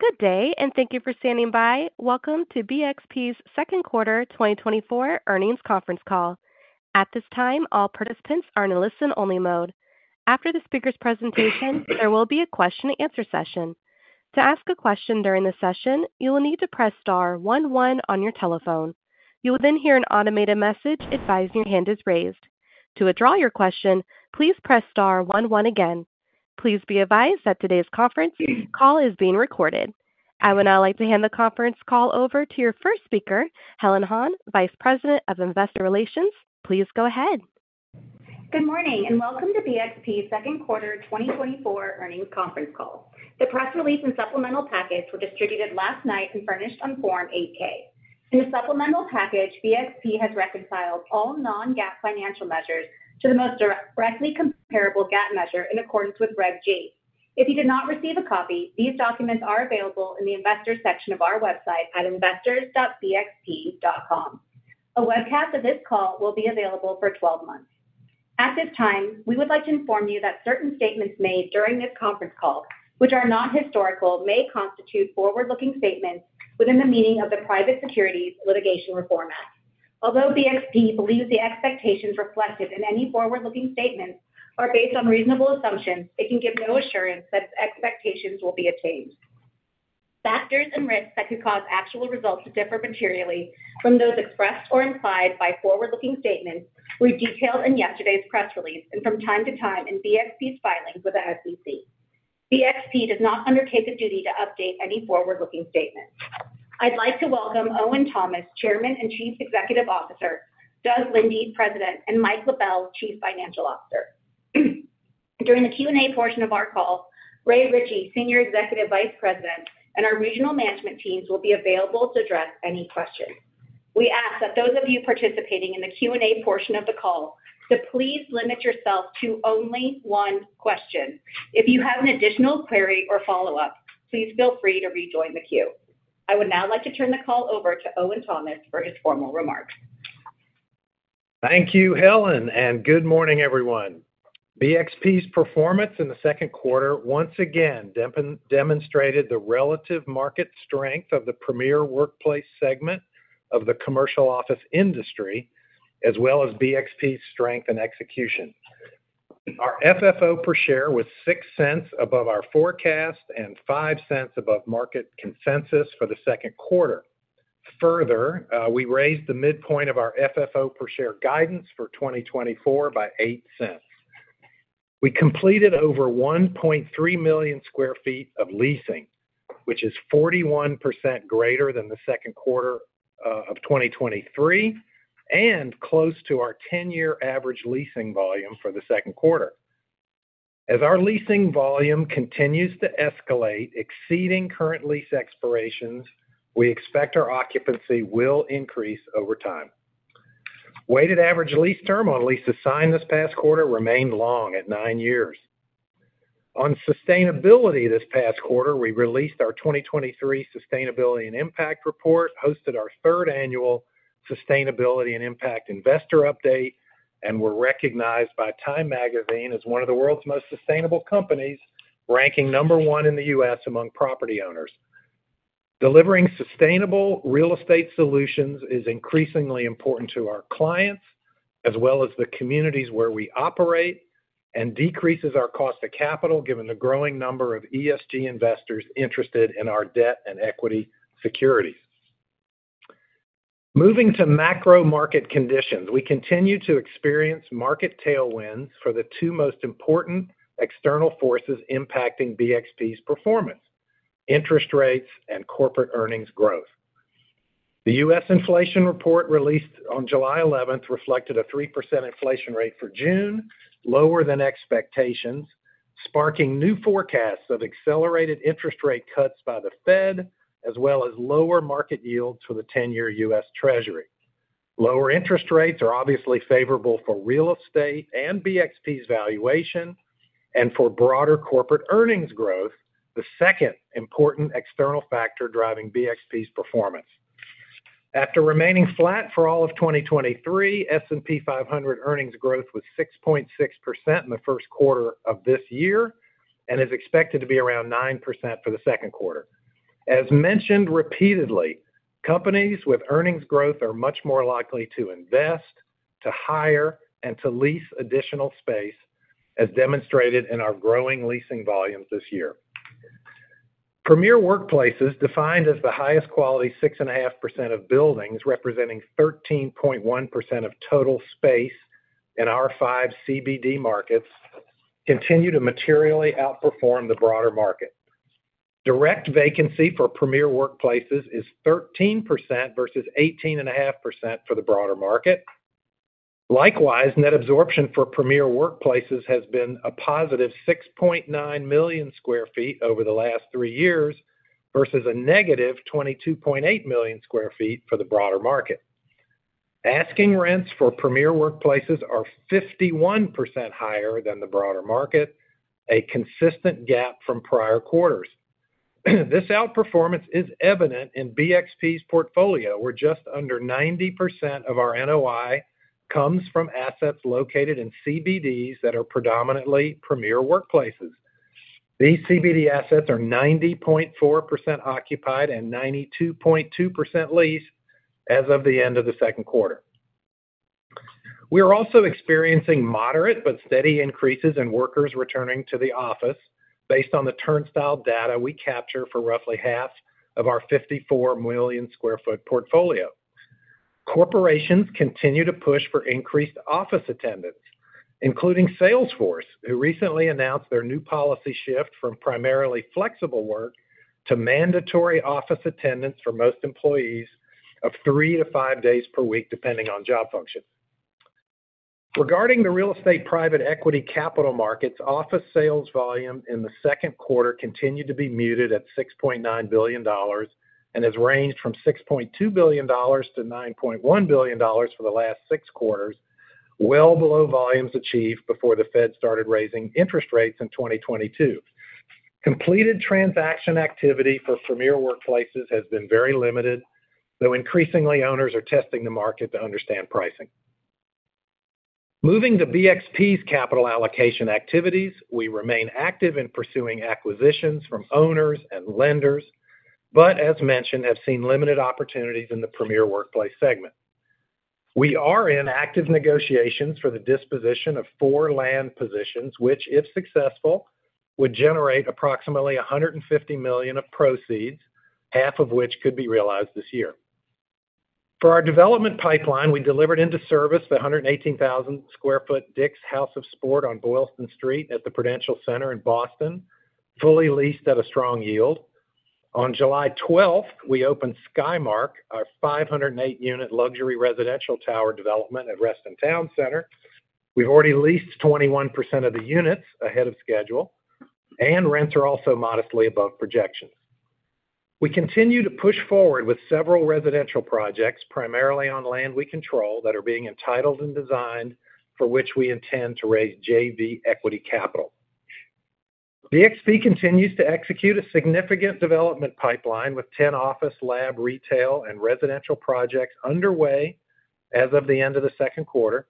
Good day and thank you for standing by. Welcome to BXP's second quarter 2024 earnings conference call. At this time, all participants are in a listen-only mode. After the speaker's presentation, there will be a Q&A session. To ask a question during the session, you will need to press star one one on your telephone. You will then hear an automated message advising your hand is raised. To withdraw your question, please press star one one again. Please be advised that today's conference call is being recorded. I would now like to hand the conference call over to your first speaker, Helen Han, Vice President of Investor Relations. Please go ahead. Good morning, and welcome to BXP's second quarter 2024 earnings conference call. The press release and supplemental package were distributed last night and furnished on Form 8-K. In the supplemental package, BXP has reconciled all non-GAAP financial measures to the most directly comparable GAAP measure in accordance with Reg G. If you did not receive a copy, these documents are available in the Investors section of our website at investors.bxp.com. A webcast of this call will be available for 12 months. At this time, we would like to inform you that certain statements made during this conference call, which are not historical, may constitute forward-looking statements within the meaning of the Private Securities Litigation Reform Act. Although BXP believes the expectations reflected in any forward-looking statements are based on reasonable assumptions, it can give no assurance that its expectations will be attained. Factors and risks that could cause actual results to differ materially from those expressed or implied by forward-looking statements were detailed in yesterday's press release and from time to time in BXP's filings with the SEC. BXP does not undertake a duty to update any forward-looking statements. I'd like to welcome Owen Thomas, Chairman and Chief Executive Officer; Doug Linde, President; and Mike LaBelle, Chief Financial Officer. During the Q&A portion of our call, Ray Ritchey, Senior Executive Vice President, and our regional management teams will be available to address any questions. We ask that those of you participating in the Q&A portion of the call to please limit yourself to only one question. If you have an additional query or follow-up, please feel free to rejoin the queue. I would now like to turn the call over to Owen Thomas for his formal remarks. Thank you, Helen, and good morning, everyone. BXP's performance in the second quarter once again demonstrated the relative market strength of the premier workplace segment of the commercial office industry, as well as BXP's strength and execution. Our FFO per share was $0.06 above our forecast and $0.05 above market consensus for the second quarter. Further, we raised the midpoint of our FFO per share guidance for 2024 by $0.08. We completed over 1.3 million sq ft of leasing, which is 41% greater than the second quarter of 2023 and close to our 10-year average leasing volume for the second quarter. As our leasing volume continues to escalate, exceeding current lease expirations, we expect our occupancy will increase over time. Weighted average lease term on leases signed this past quarter remained long at nine years. On sustainability this past quarter, we released our 2023 Sustainability and Impact Report, hosted our third annual Sustainability and Impact Investor Update, and were recognized by Time Magazine as one of the world's most sustainable companies, ranking number one in the U.S. among property owners. Delivering sustainable real estate solutions is increasingly important to our clients, as well as the communities where we operate, and decreases our cost of capital, given the growing number of ESG investors interested in our debt and equity securities. Moving to macro market conditions, we continue to experience market tailwinds for the two most important external forces impacting BXP's performance: interest rates and corporate earnings growth. The U.S. inflation report, released on July 11th, reflected a 3% inflation rate for June, lower than expectations, sparking new forecasts of accelerated interest rate cuts by the Fed, as well as lower market yields for the 10-year U.S. Treasury. Lower interest rates are obviously favorable for real estate and BXP's valuation and for broader corporate earnings growth, the second important external factor driving BXP's performance. After remaining flat for all of 2023, S&P 500 earnings growth was 6.6% in the first quarter of this year and is expected to be around 9% for the second quarter. As mentioned repeatedly, companies with earnings growth are much more likely to invest, to hire, and to lease additional space, as demonstrated in our growing leasing volumes this year. Premier Workplaces, defined as the highest quality 6.5% of buildings, representing 13.1% of total space in our five CBD markets, continue to materially outperform the broader market. Direct vacancy for premier workplaces is 13% versus 18.5% for the broader market. Likewise, net absorption for premier workplaces has been a positive 6.9 million sq ft over the last three years versus a negative 22.8 million sq ft for the broader market. Asking rents for premier workplaces are 51% higher than the broader market, a consistent gap from prior quarters. This outperformance is evident in BXP's portfolio, where just under 90% of our NOI comes from assets located in CBDs that are predominantly premier workplaces. These CBD assets are 90.4% occupied and 92.2% leased as of the end of the second quarter. We are also experiencing moderate but steady increases in workers returning to the office based on the turnstile data we capture for roughly half of our 54 million sq ft portfolio. Corporations continue to push for increased office attendance, including Salesforce, who recently announced their new policy shift from primarily flexible work to mandatory office attendance for most employees of 3-5 days per week, depending on job function. Regarding the real estate private equity capital markets, office sales volume in the second quarter continued to be muted at $6.9 billion and has ranged from $6.2 billion-$9.1 billion for the last 6 quarters, well below volumes achieved before the Fed started raising interest rates in 2022. Completed transaction activity for premier workplaces has been very limited, though increasingly, owners are testing the market to understand pricing. Moving to BXP's capital allocation activities, we remain active in pursuing acquisitions from owners and lenders, but as mentioned, have seen limited opportunities in the premier workplaces segment. We are in active negotiations for the disposition of 4 land positions, which, if successful, would generate approximately $150 million of proceeds, half of which could be realized this year. For our development pipeline, we delivered into service the 118,000 sq ft DICK'S House of Sport on Boylston Street at the Prudential Center in Boston, fully leased at a strong yield. On July 12, we opened Skymark, our 508-unit luxury residential tower development at Reston Town Center. We've already leased 21% of the units ahead of schedule, and rents are also modestly above projections. We continue to push forward with several residential projects, primarily on land we control, that are being entitled and designed, for which we intend to raise JV equity capital. BXP continues to execute a significant development pipeline with 10 office, lab, retail, and residential projects underway as of the end of the second quarter.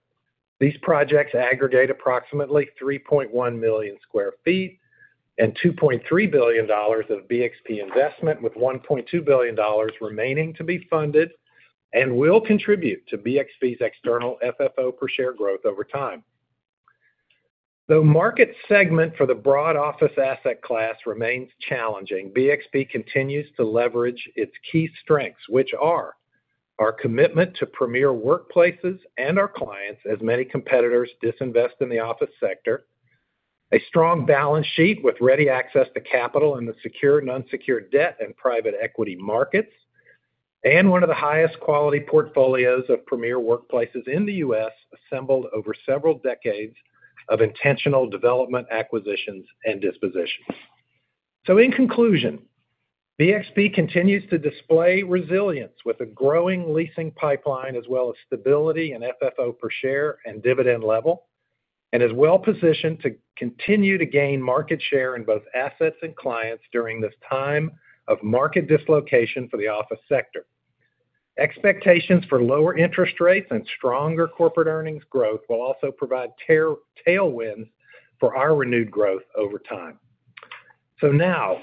These projects aggregate approximately 3.1 million sq ft and $2.3 billion of BXP investment, with $1.2 billion remaining to be funded, and will contribute to BXP's external FFO per share growth over time. The market segment for the broad office asset class remains challenging. BXP continues to leverage its key strengths, which are: our commitment to premier workplaces and our clients, as many competitors disinvest in the office sector, a strong balance sheet with ready access to capital in the secured and unsecured debt and private equity markets, and one of the highest quality portfolios of premier workplaces in the U.S., assembled over several decades of intentional development, acquisitions, and dispositions. So in conclusion, BXP continues to display resilience with a growing leasing pipeline, as well as stability and FFO per share and dividend level, and is well positioned to continue to gain market share in both assets and clients during this time of market dislocation for the office sector. Expectations for lower interest rates and stronger corporate earnings growth will also provide tailwinds for our renewed growth over time. So now,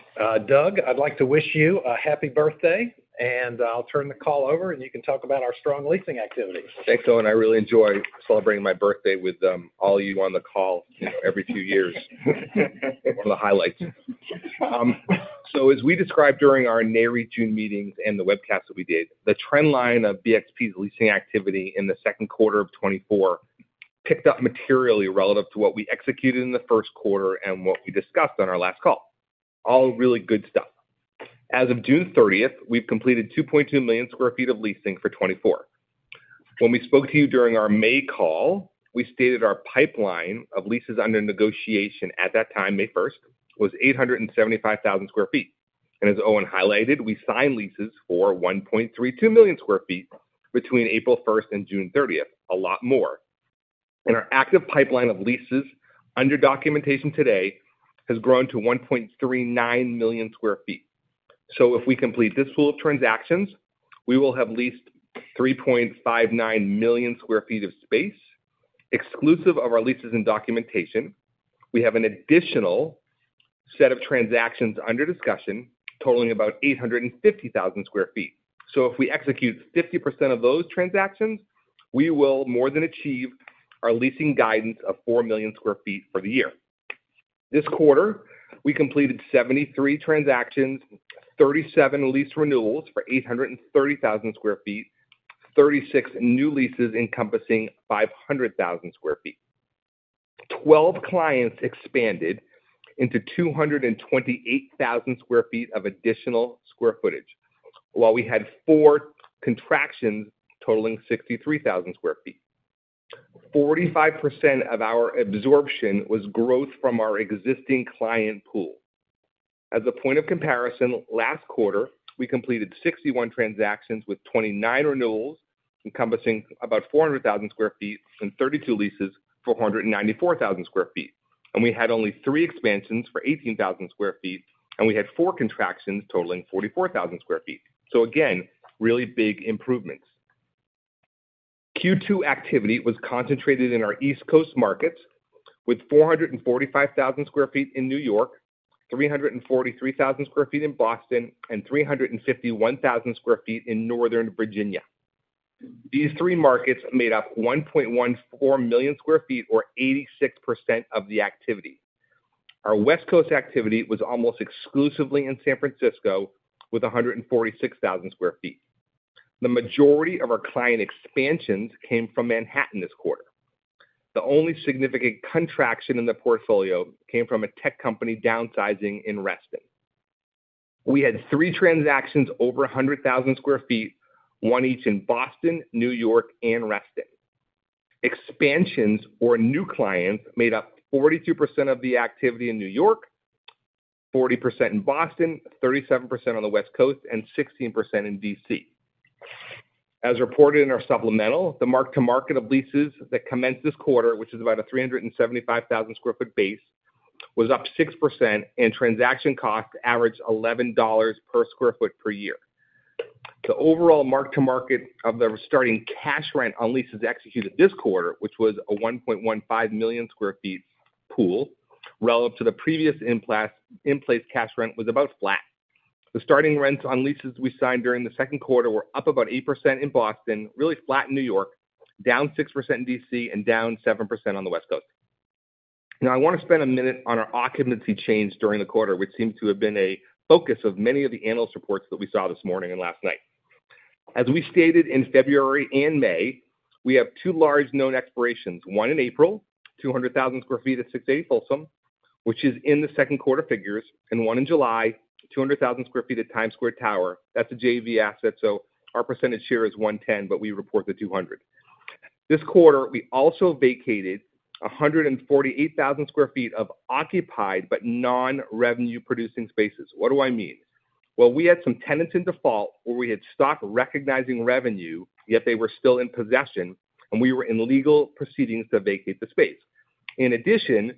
Doug, I'd like to wish you a happy birthday, and I'll turn the call over, and you can talk about our strong leasing activities. Thanks, Owen. I really enjoy celebrating my birthday with all of you on the call, you know, every two years. One of the highlights. So as we described during our NAREIT June meetings and the webcast that we did, the trend line of BXP's leasing activity in the second quarter of 2024 picked up materially relative to what we executed in the first quarter and what we discussed on our last call. All really good stuff. As of June 30, we've completed 2.2 million sq ft of leasing for 2024. When we spoke to you during our May call, we stated our pipeline of leases under negotiation at that time, May 1, was 875,000 sq ft. And as Owen highlighted, we signed leases for 1.32 million sq ft between April 1 and June 30, a lot more. Our active pipeline of leases under documentation today has grown to 1.39 million sq ft. If we complete this pool of transactions, we will have leased 3.59 million sq ft of space. Exclusive of our leases and documentation, we have an additional set of transactions under discussion, totaling about 850,000 sq ft. If we execute 50% of those transactions, we will more than achieve our leasing guidance of 4 million sq ft for the year. This quarter, we completed 73 transactions, 37 lease renewals for 830,000 sq ft, 36 new leases encompassing 500,000 sq ft. 12 clients expanded into 228,000 sq ft of additional square footage, while we had 4 contractions totaling 63,000 sq ft. 45% of our absorption was growth from our existing client pool. As a point of comparison, last quarter, we completed 61 transactions with 29 renewals, encompassing about 400,000 sq ft and 32 leases for 194,000 sq ft. We had only 3 expansions for 18,000 sq ft, and we had 4 contractions totaling 44,000 sq ft. So again, really big improvements. Q2 activity was concentrated in our East Coast markets, with 445,000 sq ft in New York, 343,000 sq ft in Boston, and 351,000 sq ft in Northern Virginia. These three markets made up 1.14 million sq ft, or 86% of the activity. Our West Coast activity was almost exclusively in San Francisco, with 146,000 sq ft. The majority of our client expansions came from Manhattan this quarter. The only significant contraction in the portfolio came from a tech company downsizing in Reston. We had three transactions over 100,000 sq ft, one each in Boston, New York, and Reston. Expansions or new clients made up 42% of the activity in New York, 40% in Boston, 37% on the West Coast, and 16% in DC. As reported in our supplemental, the mark to market of leases that commenced this quarter, which is about a 375,000 sq ft base, was up 6%, and transaction costs averaged $11 per sq ft per year. The overall mark to market of the starting cash rent on leases executed this quarter, which was a 1.15 million sq ft pool, relative to the previous in place, in place cash rent, was about flat. The starting rents on leases we signed during the second quarter were up about 8% in Boston, really flat in New York, down 6% in DC, and down 7% on the West Coast. Now, I want to spend a minute on our occupancy change during the quarter, which seems to have been a focus of many of the analyst reports that we saw this morning and last night. As we stated in February and May, we have two large known expirations, one in April, 200,000 sq ft at 680 Folsom Street, which is in the second quarter figures, and one in July, 200,000 sq ft at Times Square Tower. That's a JV asset, so our percentage share is 110, but we report the 200. This quarter, we also vacated 148,000 sq ft of occupied but non-revenue producing spaces. What do I mean? Well, we had some tenants in default where we had stopped recognizing revenue, yet they were still in possession, and we were in legal proceedings to vacate the space. In addition,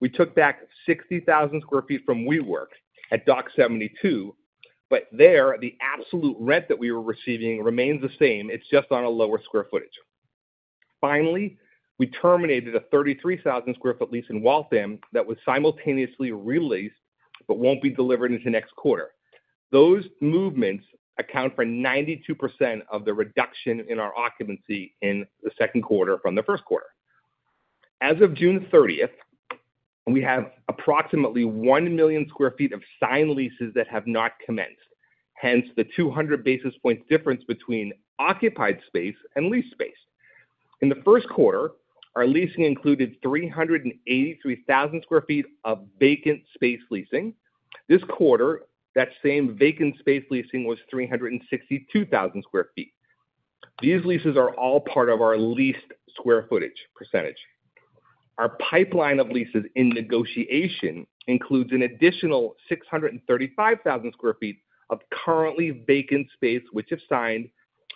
we took back 60,000 sq ft from WeWork at Dock 72, but there, the absolute rent that we were receiving remains the same, it's just on a lower square footage. Finally, we terminated a 33,000 sq ft lease in Waltham that was simultaneously re-leased but won't be delivered until next quarter. Those movements account for 92% of the reduction in our occupancy in the second quarter from the first quarter. As of June 30, we have approximately 1 million sq ft of signed leases that have not commenced, hence the 200 basis points difference between occupied space and leased space. In the first quarter, our leasing included 383,000 sq ft of vacant space leasing. This quarter, that same vacant space leasing was 362,000 sq ft. These leases are all part of our leased square footage percentage. Our pipeline of leases in negotiation includes an additional 635,000 sq ft of currently vacant space, which, if signed,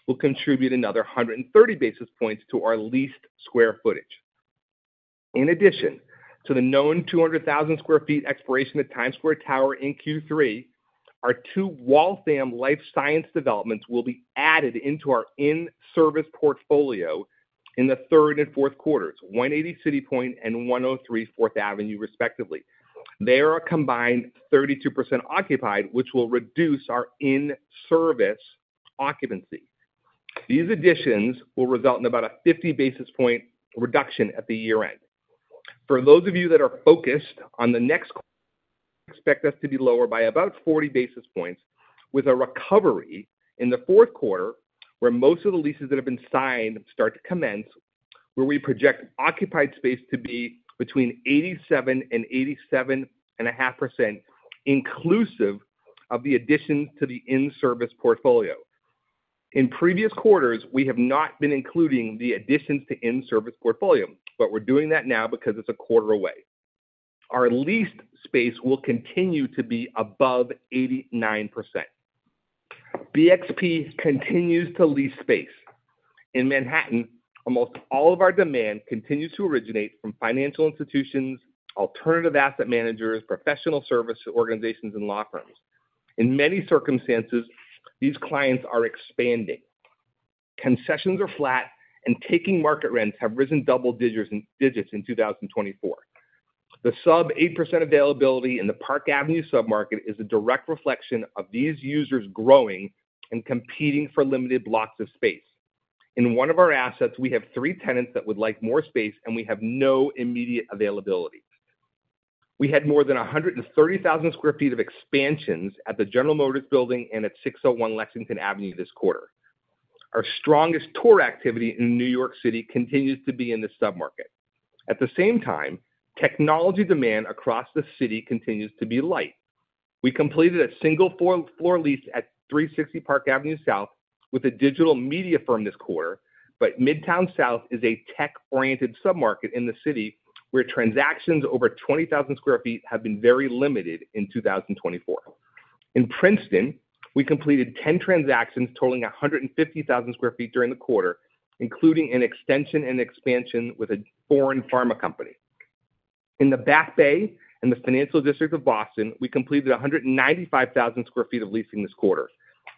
will contribute another 130 basis points to our leased square footage. In addition to the known 200,000 sq ft expiration at Times Square Tower in Q3, our two Waltham life science developments will be added into our in-service portfolio in the third and fourth quarters, 180 CityPoint and 103 Fourth Avenue, respectively. They are a combined 32% occupied, which will reduce our in-service occupancy. These additions will result in about a 50 basis point reduction at the year-end. For those of you that are focused on the next, expect us to be lower by about 40 basis points, with a recovery in the fourth quarter, where most of the leases that have been signed start to commence, where we project occupied space to be between 87% and 87.5%, inclusive of the additions to the in-service portfolio. In previous quarters, we have not been including the additions to in-service portfolio, but we're doing that now because it's a quarter away. Our leased space will continue to be above 89%. BXP continues to lease space. In Manhattan, almost all of our demand continues to originate from financial institutions, alternative asset managers, professional service organizations, and law firms. In many circumstances, these clients are expanding. Concessions are flat, and taking market rents have risen double digits in 2024. The sub-8% availability in the Park Avenue submarket is a direct reflection of these users growing and competing for limited blocks of space. In one of our assets, we have three tenants that would like more space, and we have no immediate availability. We had more than 130,000 sq ft of expansions at the General Motors Building and at 601 Lexington Avenue this quarter. Our strongest tour activity in New York City continues to be in the submarket. At the same time, technology demand across the city continues to be light. We completed a single full-floor lease at 360 Park Avenue South with a digital media firm this quarter, but Midtown South is a tech-oriented submarket in the city, where transactions over 20,000 sq ft have been very limited in 2024. In Princeton, we completed 10 transactions totaling 150,000 sq ft during the quarter, including an extension and expansion with a foreign pharma company. In the Back Bay and the financial district of Boston, we completed 195,000 sq ft of leasing this quarter.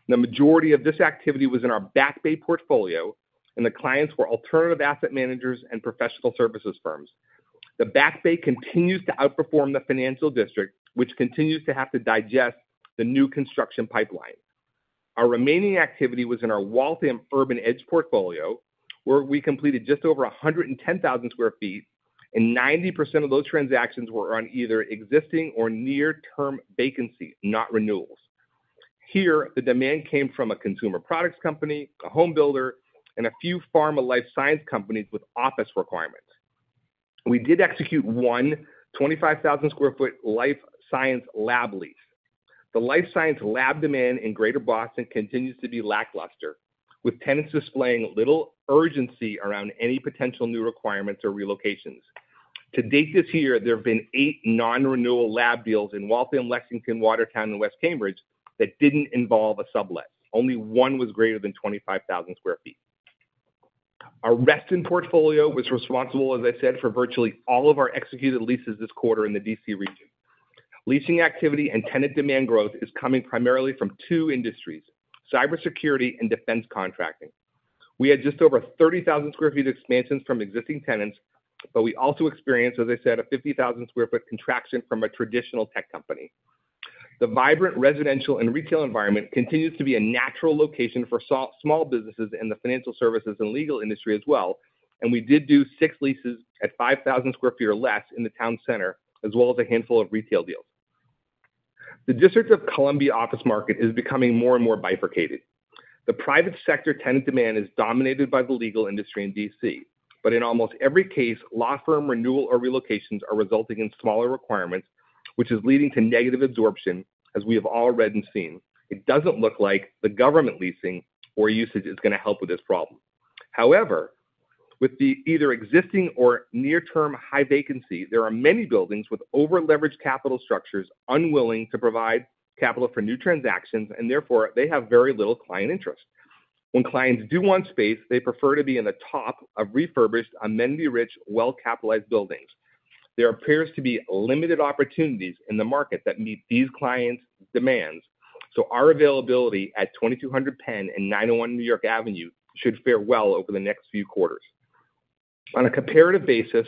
The majority of this activity was in our Back Bay portfolio, and the clients were alternative asset managers and professional services firms. The Back Bay continues to outperform the financial district, which continues to have to digest the new construction pipeline. Our remaining activity was in our Waltham Urban Edge portfolio, where we completed just over 110,000 sq ft, and 90% of those transactions were on either existing or near-term vacancy, not renewals. Here, the demand came from a consumer products company, a home builder, and a few pharma life science companies with office requirements. We did execute one 25,000 sq ft life science lab lease. The life science lab demand in Greater Boston continues to be lackluster, with tenants displaying little urgency around any potential new requirements or relocations. To date this year, there have been eight non-renewal lab deals in Waltham, Lexington, Watertown, and West Cambridge that didn't involve a sublet. Only one was greater than 25,000 sq ft. Our Reston portfolio was responsible, as I said, for virtually all of our executed leases this quarter in the DC region. Leasing activity and tenant demand growth is coming primarily from two industries: cybersecurity and defense contracting. We had just over 30,000 sq ft expansions from existing tenants, but we also experienced, as I said, a 50,000 sq ft contraction from a traditional tech company. The vibrant residential and retail environment continues to be a natural location for small businesses in the financial services and legal industry as well, and we did do six leases at 5,000 sq ft or less in the town center, as well as a handful of retail deals. The District of Columbia office market is becoming more and more bifurcated. The private sector tenant demand is dominated by the legal industry in D.C., but in almost every case, law firm renewal or relocations are resulting in smaller requirements, which is leading to negative absorption, as we have all read and seen. It doesn't look like the government leasing or usage is gonna help with this problem. However, with the either existing or near-term high vacancy, there are many buildings with over-leveraged capital structures unwilling to provide capital for new transactions, and therefore they have very little client interest. When clients do want space, they prefer to be in the top of refurbished, amenity-rich, well-capitalized buildings. There appears to be limited opportunities in the market that meet these clients' demands, so our availability at 2200 Pennsylvania Avenue and 901 New York Avenue should fare well over the next few quarters. On a comparative basis,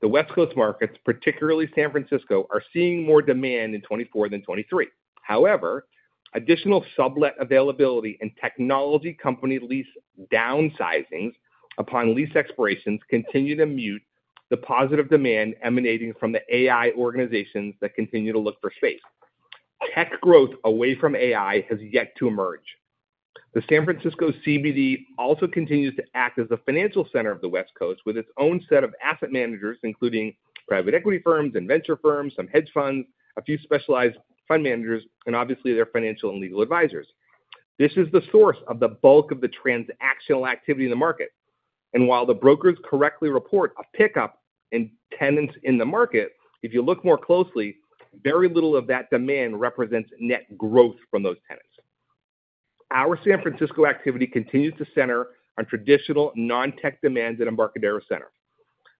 the West Coast markets, particularly San Francisco, are seeing more demand in '2024 than '2023. However, additional sublet availability and technology company lease downsizing upon lease expirations continue to mute the positive demand emanating from the AI organizations that continue to look for space. Tech growth away from AI has yet to emerge. The San Francisco CBD also continues to act as the financial center of the West Coast, with its own set of asset managers, including private equity firms and venture firms, some hedge funds, a few specialized fund managers, and obviously, their financial and legal advisors. This is the source of the bulk of the transactional activity in the market, and while the brokers correctly report a pickup in tenants in the market, if you look more closely, very little of that demand represents net growth from those tenants. Our San Francisco activity continues to center on traditional non-tech demands at Embarcadero Center.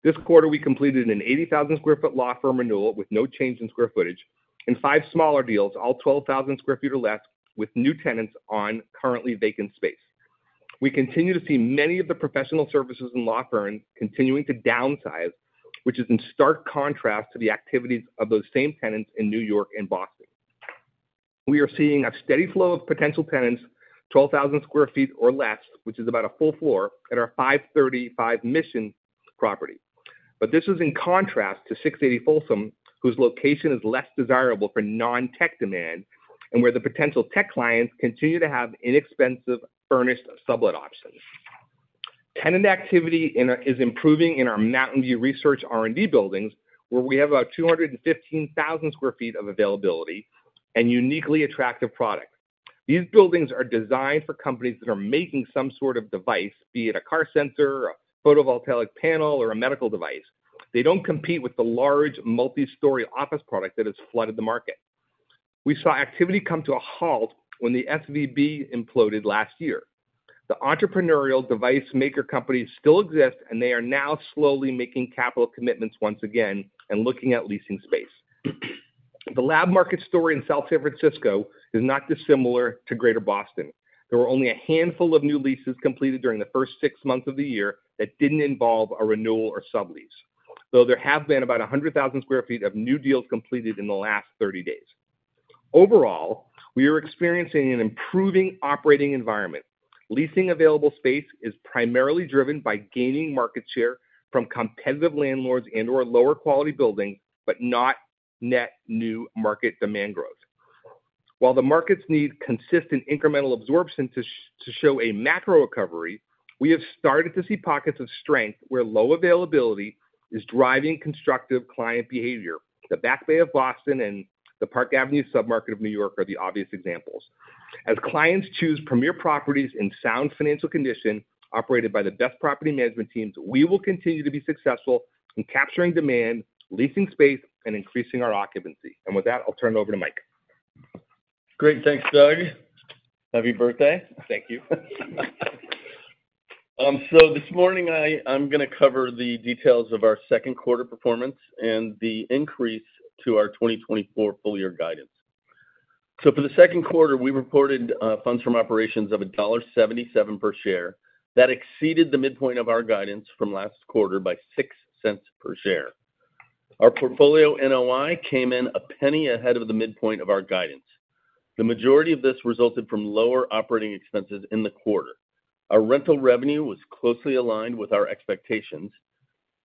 This quarter, we completed an 80,000 sq ft law firm renewal with no change in square footage and five smaller deals, all 12,000 sq ft or less, with new tenants on currently vacant space. We continue to see many of the professional services and law firms continuing to downsize, which is in stark contrast to the activities of those same tenants in New York and Boston. We are seeing a steady flow of potential tenants, 12,000 sq ft or less, which is about a full floor, at our 535 Mission property. But this is in contrast to 680 Folsom, whose location is less desirable for non-tech demand and where the potential tech clients continue to have inexpensive, furnished sublet options. Tenant activity is improving in our Mountain View research R&D buildings, where we have about 215,000 sq ft of availability and uniquely attractive product. These buildings are designed for companies that are making some sort of device, be it a car sensor, a photovoltaic panel, or a medical device. They don't compete with the large multi-story office product that has flooded the market. We saw activity come to a halt when the SVB imploded last year. The entrepreneurial device maker companies still exist, and they are now slowly making capital commitments once again and looking at leasing space. The lab market story in San Francisco is not dissimilar to Greater Boston. There were only a handful of new leases completed during the first six months of the year that didn't involve a renewal or sublease, though there have been about 100,000 sq ft of new deals completed in the last 30 days. Overall, we are experiencing an improving operating environment. Leasing available space is primarily driven by gaining market share from competitive landlords and/or lower quality buildings, but not net new market demand growth. While the markets need consistent incremental absorption to show a macro recovery, we have started to see pockets of strength where low availability is driving constructive client behavior. The Back Bay of Boston and the Park Avenue submarket of New York are the obvious examples.... As clients choose premier properties in sound financial condition, operated by the best property management teams, we will continue to be successful in capturing demand, leasing space, and increasing our occupancy. And with that, I'll turn it over to Mike. Great. Thanks, Doug. Happy birthday. Thank you. So this morning, I'm gonna cover the details of our second quarter performance and the increase to our 2024 full year guidance. So for the second quarter, we reported funds from operations of $1.77 per share. That exceeded the midpoint of our guidance from last quarter by $0.06 per share. Our portfolio NOI came in $0.01 ahead of the midpoint of our guidance. The majority of this resulted from lower operating expenses in the quarter. Our rental revenue was closely aligned with our expectations,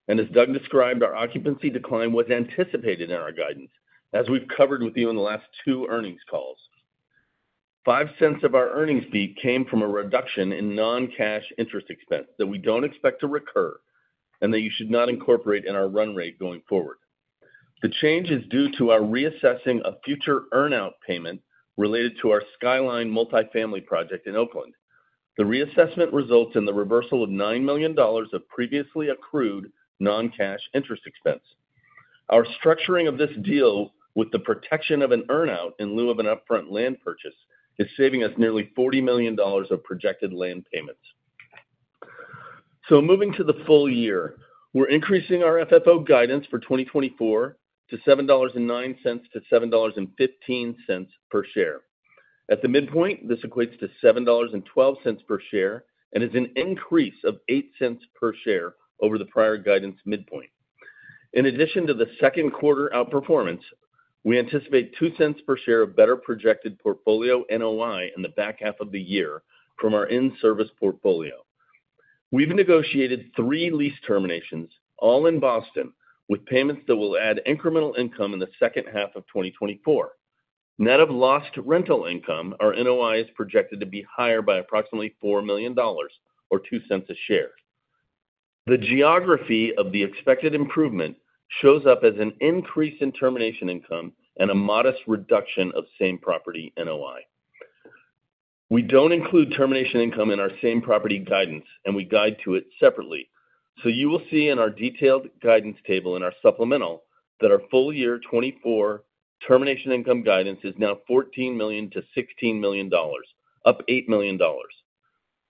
and as Doug described, our occupancy decline was anticipated in our guidance, as we've covered with you in the last two earnings calls. $0.05 of our FFO came from a reduction in non-cash interest expense, that we don't expect to recur, and that you should not incorporate in our run rate going forward. The change is due to our reassessing a future earn-out payment related to our Skyline multifamily project in Oakland. The reassessment results in the reversal of $9 million of previously accrued non-cash interest expense. Our structuring of this deal with the protection of an earn-out, in lieu of an upfront land purchase, is saving us nearly $40 million of projected land payments. So moving to the full year, we're increasing our FFO guidance for 2024 to $7.09-$7.15 per share. At the midpoint, this equates to $7.12 per share and is an increase of 8 cents per share over the prior guidance midpoint. In addition to the second quarter outperformance, we anticipate 2 cents per share of better projected portfolio NOI in the back half of the year from our in-service portfolio. We've negotiated 3 lease terminations, all in Boston, with payments that will add incremental income in the second half of 2024. Net of lost rental income, our NOI is projected to be higher by approximately $4 million, or 2 cents a share. The geography of the expected improvement shows up as an increase in termination income and a modest reduction of same-property NOI. We don't include termination income in our same-property guidance, and we guide to it separately. So you will see in our detailed guidance table in our supplemental, that our full year 2024 termination income guidance is now $14 million-$16 million, up $8 million.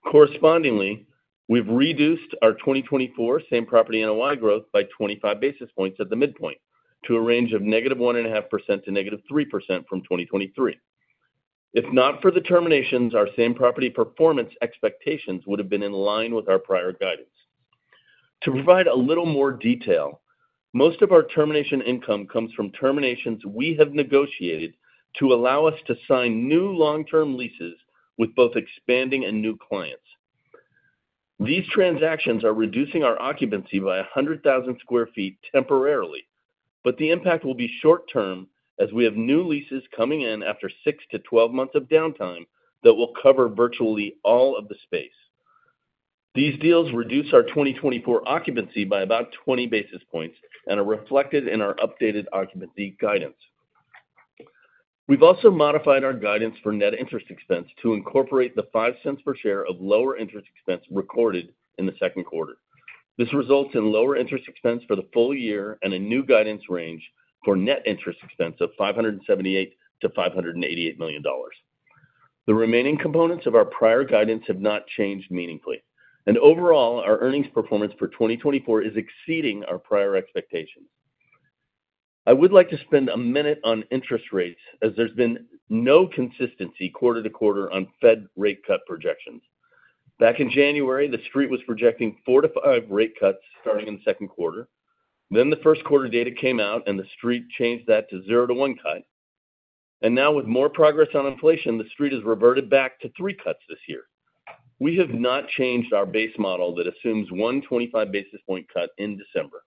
Correspondingly, we've reduced our 2024 same-property NOI growth by 25 basis points at the midpoint, to a range of -1.5% to -3% from 2023. If not for the terminations, our same-property performance expectations would have been in line with our prior guidance. To provide a little more detail, most of our termination income comes from terminations we have negotiated to allow us to sign new long-term leases with both expanding and new clients. These transactions are reducing our occupancy by 100,000 sq ft temporarily, but the impact will be short-term, as we have new leases coming in after 6-12 months of downtime that will cover virtually all of the space. These deals reduce our 2024 occupancy by about 20 basis points and are reflected in our updated occupancy guidance. We've also modified our guidance for net interest expense to incorporate the $0.05 per share of lower interest expense recorded in the second quarter. This results in lower interest expense for the full year and a new guidance range for net interest expense of $578 million-$588 million. The remaining components of our prior guidance have not changed meaningfully, and overall, our earnings performance for 2024 is exceeding our prior expectations. I would like to spend a minute on interest rates, as there's been no consistency quarter to quarter on Fed rate cut projections. Back in January, the Street was projecting 4-5 rate cuts starting in the second quarter. Then the first quarter data came out, and the Street changed that to 0-1 cut. And now, with more progress on inflation, the Street has reverted back to 3 cuts this year. We have not changed our base model that assumes one 25 basis point cut in December.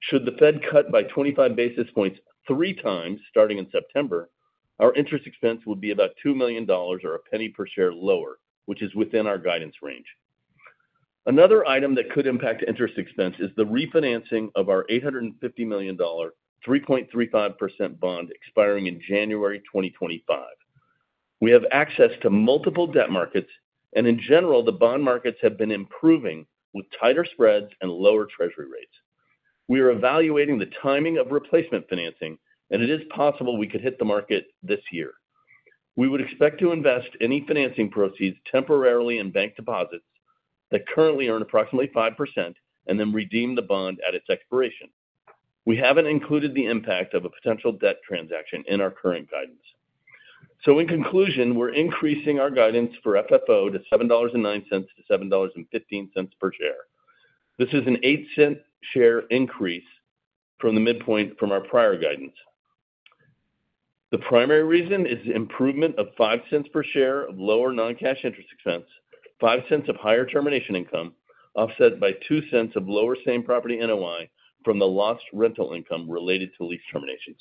Should the Fed cut by 25 basis points three times, starting in September, our interest expense would be about $2 million, or $0.01 per share lower, which is within our guidance range. Another item that could impact interest expense is the refinancing of our $850 million, 3.35% bond expiring in January 2025. We have access to multiple debt markets, and in general, the bond markets have been improving with tighter spreads and lower Treasury rates. We are evaluating the timing of replacement financing, and it is possible we could hit the market this year. We would expect to invest any financing proceeds temporarily in bank deposits that currently earn approximately 5% and then redeem the bond at its expiration. We haven't included the impact of a potential debt transaction in our current guidance. So in conclusion, we're increasing our guidance for FFO to $7.09-$7.15 per share. This is an eight-cent share increase from the midpoint from our prior guidance. The primary reason is the improvement of $0.05 per share of lower non-cash interest expense, $0.05 of higher termination income, offset by $0.02 of lower Same-Property NOI from the lost rental income related to lease terminations.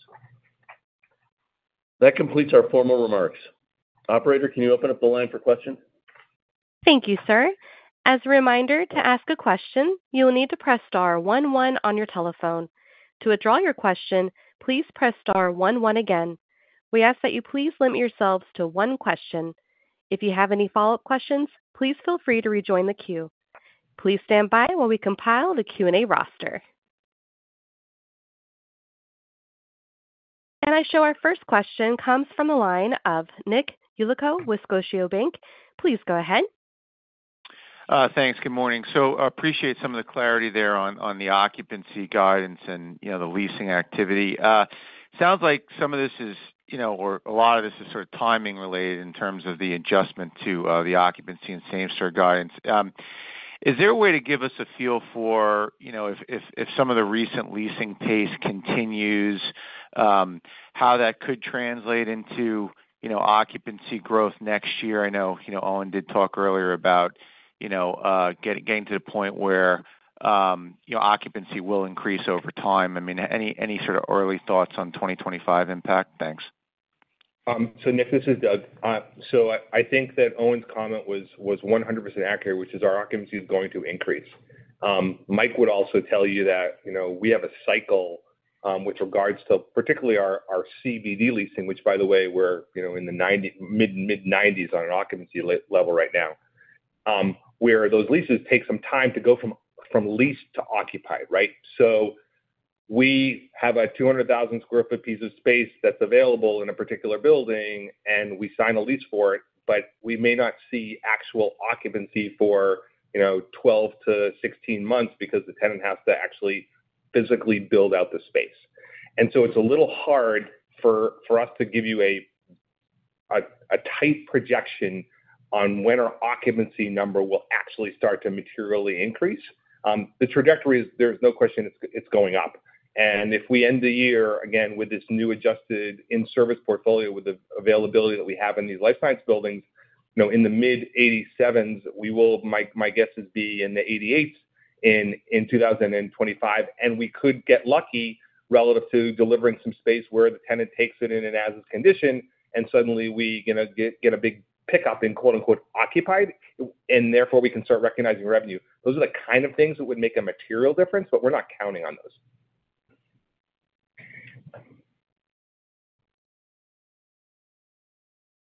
That completes our formal remarks. Operator, can you open up the line for questions? Thank you, sir. As a reminder, to ask a question, you will need to press star one one on your telephone. To withdraw your question, please press star one one again. We ask that you please limit yourselves to one question. If you have any follow-up questions, please feel free to rejoin the queue. Please stand by while we compile the Q&A roster. And I show our first question comes from the line of Nick Yulico with Scotiabank. Please go ahead. Thanks. Good morning. So appreciate some of the clarity there on the occupancy guidance and, you know, the leasing activity. Sounds like some of this is, you know, or a lot of this is sort of timing related in terms of the adjustment to the occupancy and same store guidance. Is there a way to give us a feel for, you know, if some of the recent leasing pace continues, how that could translate into, you know, occupancy growth next year? I know, you know, Owen did talk earlier about, you know, getting to the point where your occupancy will increase over time. I mean, any sort of early thoughts on 2025 impact? Thanks. So Nick, this is Doug. So I think that Owen's comment was 100% accurate, which is our occupancy is going to increase. Mike would also tell you that, you know, we have a cycle with regards to particularly our CBD leasing, which, by the way, we're, you know, in the mid-90s on an occupancy level right now. Where those leases take some time to go from lease to occupied, right? So we have a 200,000 sq ft piece of space that's available in a particular building, and we sign a lease for it, but we may not see actual occupancy for, you know, 12-16 months because the tenant has to actually physically build out the space. It's a little hard for us to give you a tight projection on when our occupancy number will actually start to materially increase. The trajectory is, there's no question, it's going up. If we end the year, again, with this new adjusted In-Service Portfolio, with the availability that we have in these life science buildings, you know, in the mid-87s, we will... My guess is be in the 88s in 2025, and we could get lucky relative to delivering some space where the tenant takes it in an as-is condition, and suddenly we gonna get a big pickup in “occupied,” and therefore we can start recognizing revenue. Those are the kind of things that would make a material difference, but we're not counting on those.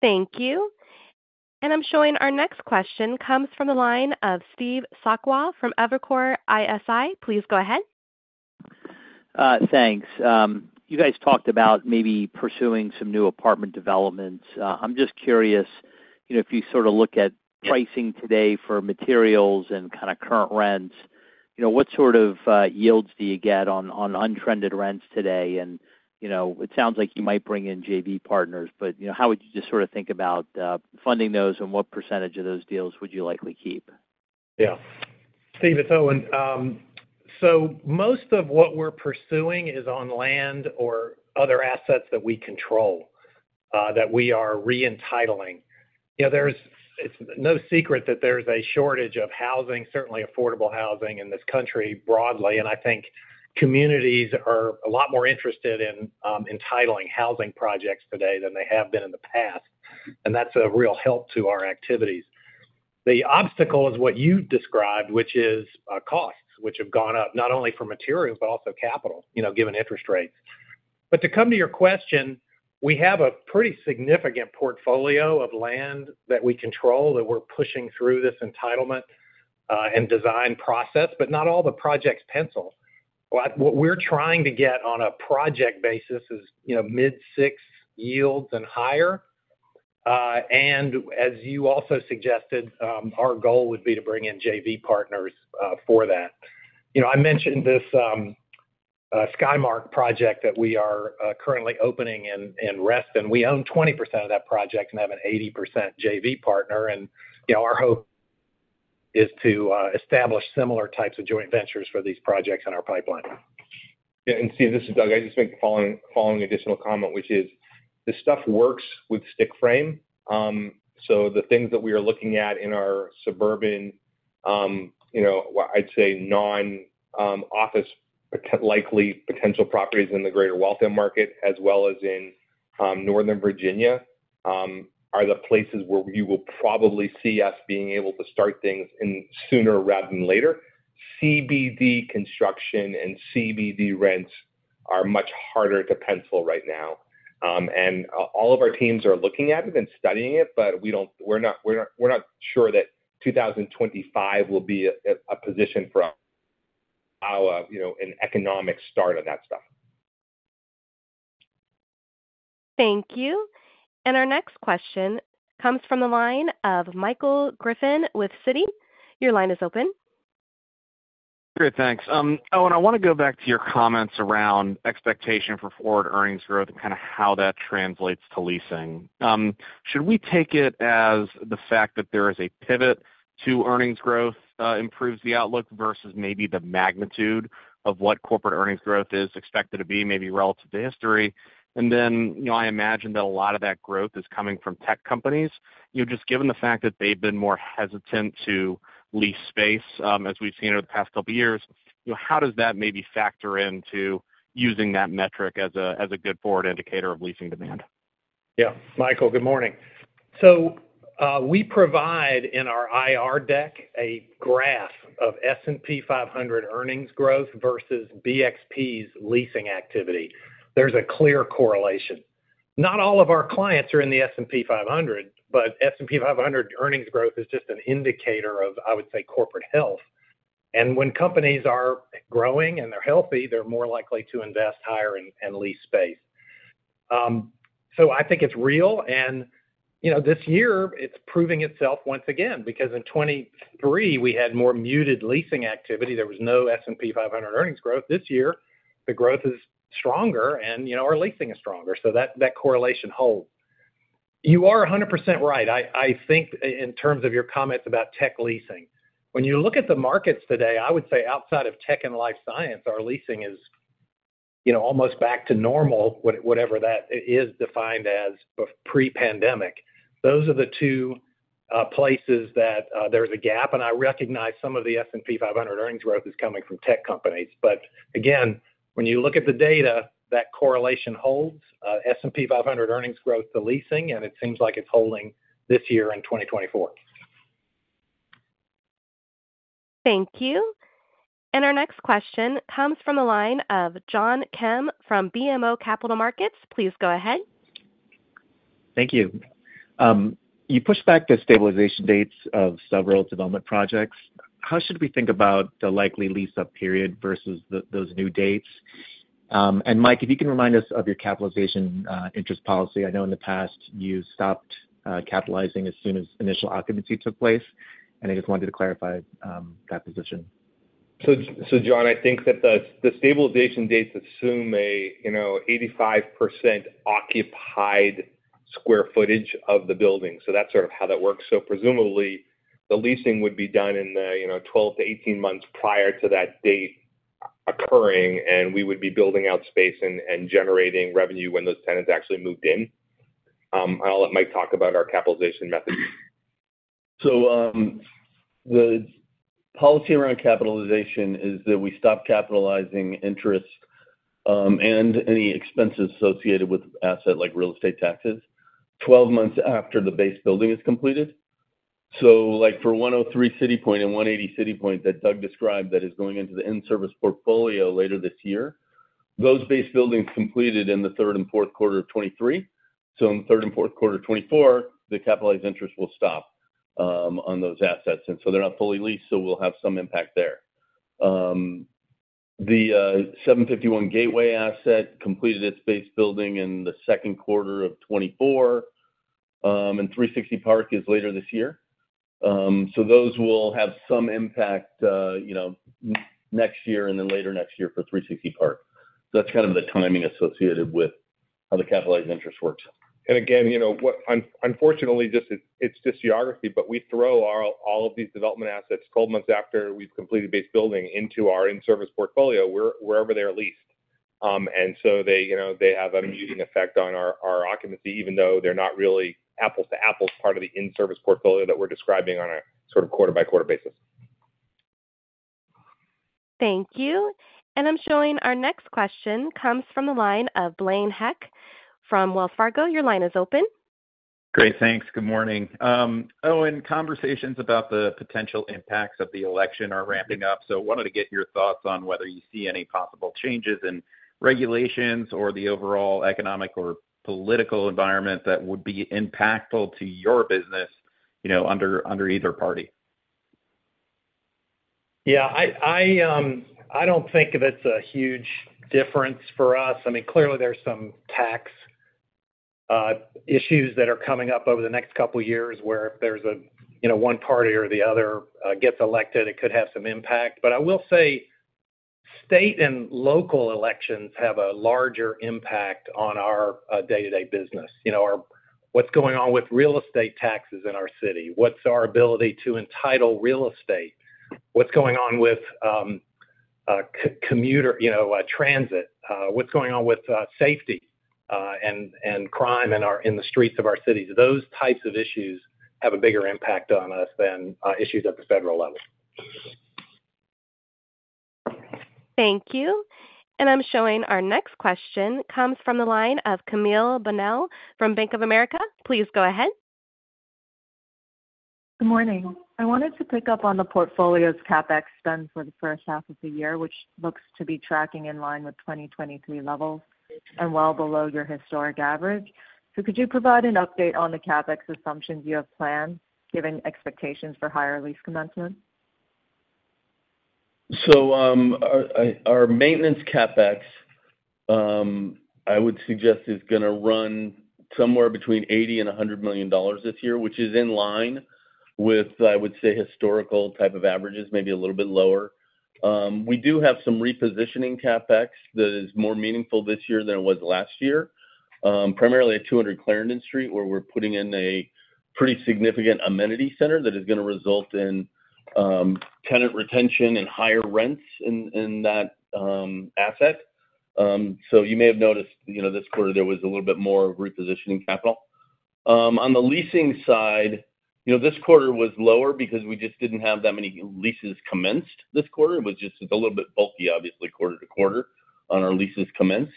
Thank you. I'm showing our next question comes from the line of Steve Sakwa from Evercore ISI. Please go ahead. Thanks. You guys talked about maybe pursuing some new apartment developments. I'm just curious, you know, if you sort of look at pricing today for materials and kind of current rents, you know, what sort of yields do you get on untrended rents today? And, you know, it sounds like you might bring in JV partners, but, you know, how would you just sort of think about funding those, and what percentage of those deals would you likely keep? Yeah. Steve, it's Owen. So most of what we're pursuing is on land or other assets that we control, that we are re-entitling. You know, there's— It's no secret that there's a shortage of housing, certainly affordable housing in this country broadly, and I think communities are a lot more interested in entitling housing projects today than they have been in the past, and that's a real help to our activities. The obstacle is what you described, which is costs, which have gone up not only for materials, but also capital, you know, given interest rates. But to come to your question, we have a pretty significant portfolio of land that we control, that we're pushing through this entitlement and design process, but not all the projects pencil. What, what we're trying to get on a project basis is, you know, mid-six yields and higher. And as you also suggested, our goal would be to bring in JV partners for that. You know, I mentioned this Skymark project that we are currently opening in Reston. We own 20% of that project and have an 80% JV partner, and you know, our hope is to establish similar types of joint ventures for these projects in our pipeline. Yeah, and Steve, this is Doug. I just make the following additional comment, which is: this stuff works with stick frame. So the things that we are looking at in our suburban, you know, well, I'd say non-office, likely potential properties in the greater Waltham market as well as in Northern Virginia are the places where you will probably see us being able to start things in sooner rather than later. CBD construction and CBD rents are much harder to pencil right now, and all of our teams are looking at it and studying it, but we're not sure that 2025 will be a position for our, you know, an economic start on that stuff. Thank you. And our next question comes from the line of Michael Griffin with Citi. Your line is open. Great, thanks. Owen, I wanna go back to your comments around expectation for forward earnings growth and kind of how that translates to leasing. Should we take it as the fact that there is a pivot to earnings growth improves the outlook versus maybe the magnitude of what corporate earnings growth is expected to be, maybe relative to history? And then, you know, I imagine that a lot of that growth is coming from tech companies. You know, just given the fact that they've been more hesitant to lease space, as we've seen over the past couple of years, you know, how does that maybe factor into using that metric as a, as a good forward indicator of leasing demand? Yeah, Michael, good morning. So, we provide in our IR deck, a graph of S&P 500 earnings growth versus BXP's leasing activity. There's a clear correlation. Not all of our clients are in the S&P 500, but S&P 500 earnings growth is just an indicator of, I would say, corporate health. And when companies are growing and they're healthy, they're more likely to invest higher and lease space. So, I think it's real, and, you know, this year it's proving itself once again, because in 2023, we had more muted leasing activity. There was no S&P 500 earnings growth. This year, the growth is stronger and, you know, our leasing is stronger, so that correlation holds. You are 100% right. I think in terms of your comments about tech leasing, when you look at the markets today, I would say outside of tech and life science, our leasing is, you know, almost back to normal, whatever that is defined as, but pre-pandemic. Those are the two places that there's a gap, and I recognize some of the S&P 500 earnings growth is coming from tech companies. But again, when you look at the data, that correlation holds, S&P 500 earnings growth, the leasing, and it seems like it's holding this year in 2024. Thank you. Our next question comes from the line of John Kim from BMO Capital Markets. Please go ahead. Thank you. You pushed back the stabilization dates of several development projects. How should we think about the likely lease-up period versus those new dates? And Mike, if you can remind us of your capitalization interest policy. I know in the past you stopped capitalizing as soon as initial occupancy took place, and I just wanted to clarify that position. So, John, I think that the stabilization dates assume a, you know, 85% occupied square footage of the building. So that's sort of how that works. So presumably, the leasing would be done in the, you know, 12-18 months prior to that date occurring, and we would be building out space and generating revenue when those tenants actually moved in. I'll let Mike talk about our capitalization methods. So, the policy around capitalization is that we stop capitalizing interest, and any expenses associated with assets, like real estate taxes, 12 months after the base building is completed. So like for 103 CityPoint and 180 CityPoint that Doug described, that is going into the in-service portfolio later this year, those base buildings completed in the third and fourth quarter of 2023. So in the third and fourth quarter of 2024, the capitalized interest will stop, on those assets, and so they're not fully leased, so we'll have some impact there. The 751 Gateway asset completed its base building in the second quarter of 2024, and 360 Park is later this year. So those will have some impact, you know, next year and then later next year for 360 Park.That's kind of the timing associated with how the capitalized interest works. And again, you know what? Unfortunately, just it's just geography, but we throw all of these development assets 12 months after we've completed base building into our in-service portfolio, wherever they're leased. And so they, you know, they have an amusing effect on our occupancy, even though they're not really apples-to-apples, part of the in-service portfolio that we're describing on a sort of quarter-by-quarter basis. Thank you. I'm showing our next question comes from the line of Blaine Heck from Wells Fargo. Your line is open. Great. Thanks. Good morning. Owen, conversations about the potential impacts of the election are ramping up. So I wanted to get your thoughts on whether you see any possible changes in regulations or the overall economic or political environment that would be impactful to your business, you know, under either party. Yeah, I don't think that's a huge difference for us. I mean, clearly there's some tax issues that are coming up over the next couple of years, where if there's a, you know, one party or the other gets elected, it could have some impact. But I will say state and local elections have a larger impact on our day-to-day business. You know, what's going on with real estate taxes in our city? What's our ability to entitle real estate? What's going on with commuter, you know, transit? What's going on with safety and crime in the streets of our cities? Those types of issues have a bigger impact on us than issues at the federal level. Thank you. I'm showing our next question comes from the line of Camille Bonnel from Bank of America. Please go ahead. Good morning. I wanted to pick up on the portfolio's CapEx spend for the first half of the year, which looks to be tracking in line with 2023 levels and well below your historic average. So could you provide an update on the CapEx assumptions you have planned, given expectations for higher lease commencement? So, our maintenance CapEx, I would suggest, is gonna run somewhere between $80 million and $100 million this year, which is in line with, I would say, historical type of averages, maybe a little bit lower. We do have some repositioning CapEx that is more meaningful this year than it was last year, primarily at 200 Clarendon Street, where we're putting in a pretty significant amenity center that is gonna result in, tenant retention and higher rents in, in that, asset. So you may have noticed, you know, this quarter there was a little bit more repositioning capital. On the leasing side, you know, this quarter was lower because we just didn't have that many leases commenced this quarter. It was just a little bit bulky, obviously, quarter to quarter on our leases commenced.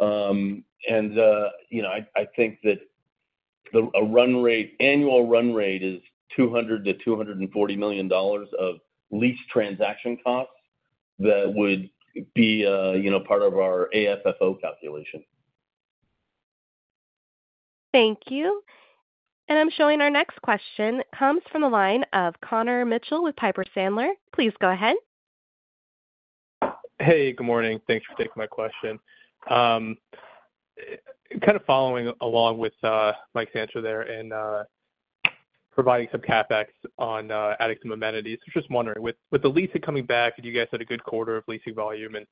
And you know, I think that the annual run rate is $200 million-$240 million of lease transaction costs that would be, you know, part of our AFFO calculation. Thank you. I'm showing our next question comes from the line of Connor Mitchell with Piper Sandler. Please go ahead. Hey, good morning. Thanks for taking my question. Kind of following along with Mike's answer there and providing some CapEx on adding some amenities. I was just wondering, with the leasing coming back and you guys had a good quarter of leasing volume and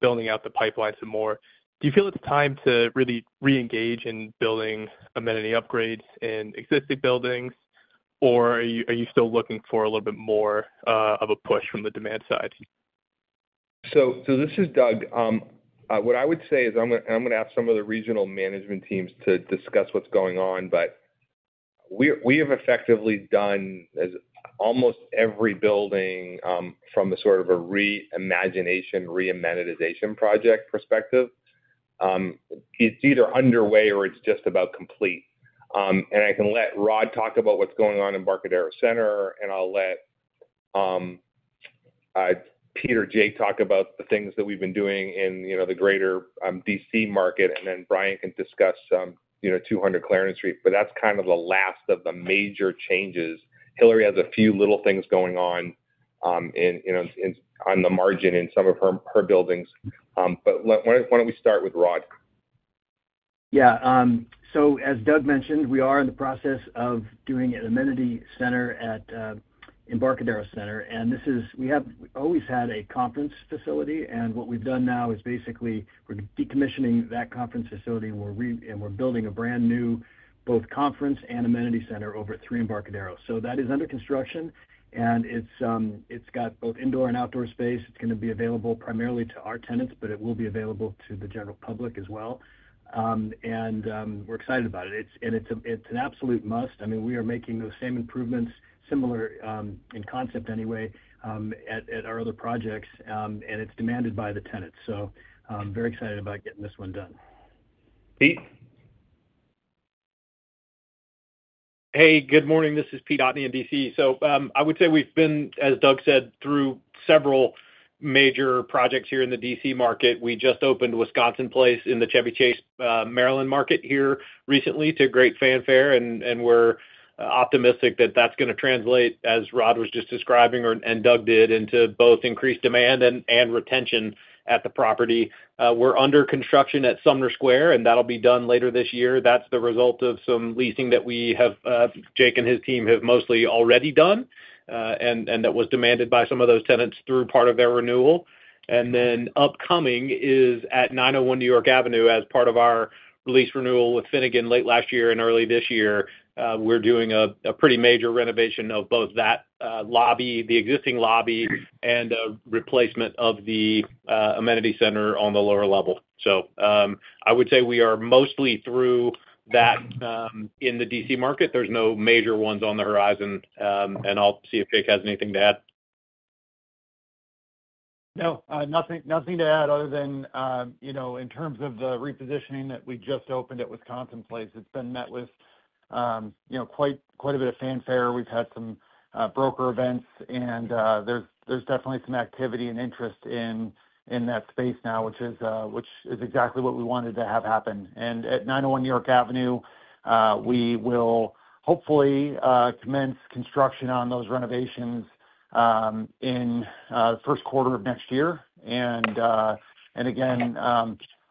building out the pipeline some more, do you feel it's time to really reengage in building amenity upgrades in existing buildings, or are you, are you still looking for a little bit more of a push from the demand side? So, this is Doug. What I would say is I'm gonna ask some of the regional management teams to discuss what's going on, but we have effectively done as almost every building from a sort of a reimagination, remonetization project perspective. It's either underway or it's just about complete. And I can let Rod talk about what's going on in Embarcadero Center, and I'll let Pete or Jake talk about the things that we've been doing in, you know, the greater DC market, and then Bryan can discuss some, you know, 200 Clarendon Street, but that's kind of the last of the major changes. Hilary has a few little things going on in, you know, in on the margin in some of her buildings. But why don't we start with Rod? Yeah. So as Doug mentioned, we are in the process of doing an amenity center at Embarcadero Center, and this is. We have always had a conference facility, and what we've done now is basically we're decommissioning that conference facility, and we're building a brand new, both conference and amenity center over at Three Embarcadero Center. So that is under construction, and it's, it's got both indoor and outdoor space. It's going to be available primarily to our tenants, but it will be available to the general public as well. And, we're excited about it. It's, and it's, it's an absolute must. I mean, we are making those same improvements, similar, in concept anyway, at our other projects, and it's demanded by the tenants. So I'm very excited about getting this one done. Pete? Hey, good morning. This is Pete Otteni in DC. So, I would say we've been, as Doug said, through several major projects here in the DC market. We just opened Wisconsin Place in the Chevy Chase, Maryland market here recently to great fanfare, and we're optimistic that that's going to translate, as Rod was just describing and Doug did, into both increased demand and retention at the property. We're under construction at Sumner Square, and that'll be done later this year. That's the result of some leasing that we have, Jake and his team have mostly already done, and that was demanded by some of those tenants through part of their renewal. And then upcoming is at 901 New York Avenue as part of our lease renewal with Finnegan late last year and early this year. We're doing a pretty major renovation of both that lobby, the existing lobby, and a replacement of the amenity center on the lower level. So, I would say we are mostly through that in the DC market. There's no major ones on the horizon. And I'll see if Jake has anything to add. No, nothing to add other than, you know, in terms of the repositioning that we just opened at Wisconsin Place, it's been met with, you know, quite a bit of fanfare. We've had some broker events, and there's definitely some activity and interest in that space now, which is exactly what we wanted to have happen. And at 901 New York Avenue, we will hopefully commence construction on those renovations in the first quarter of next year. And again,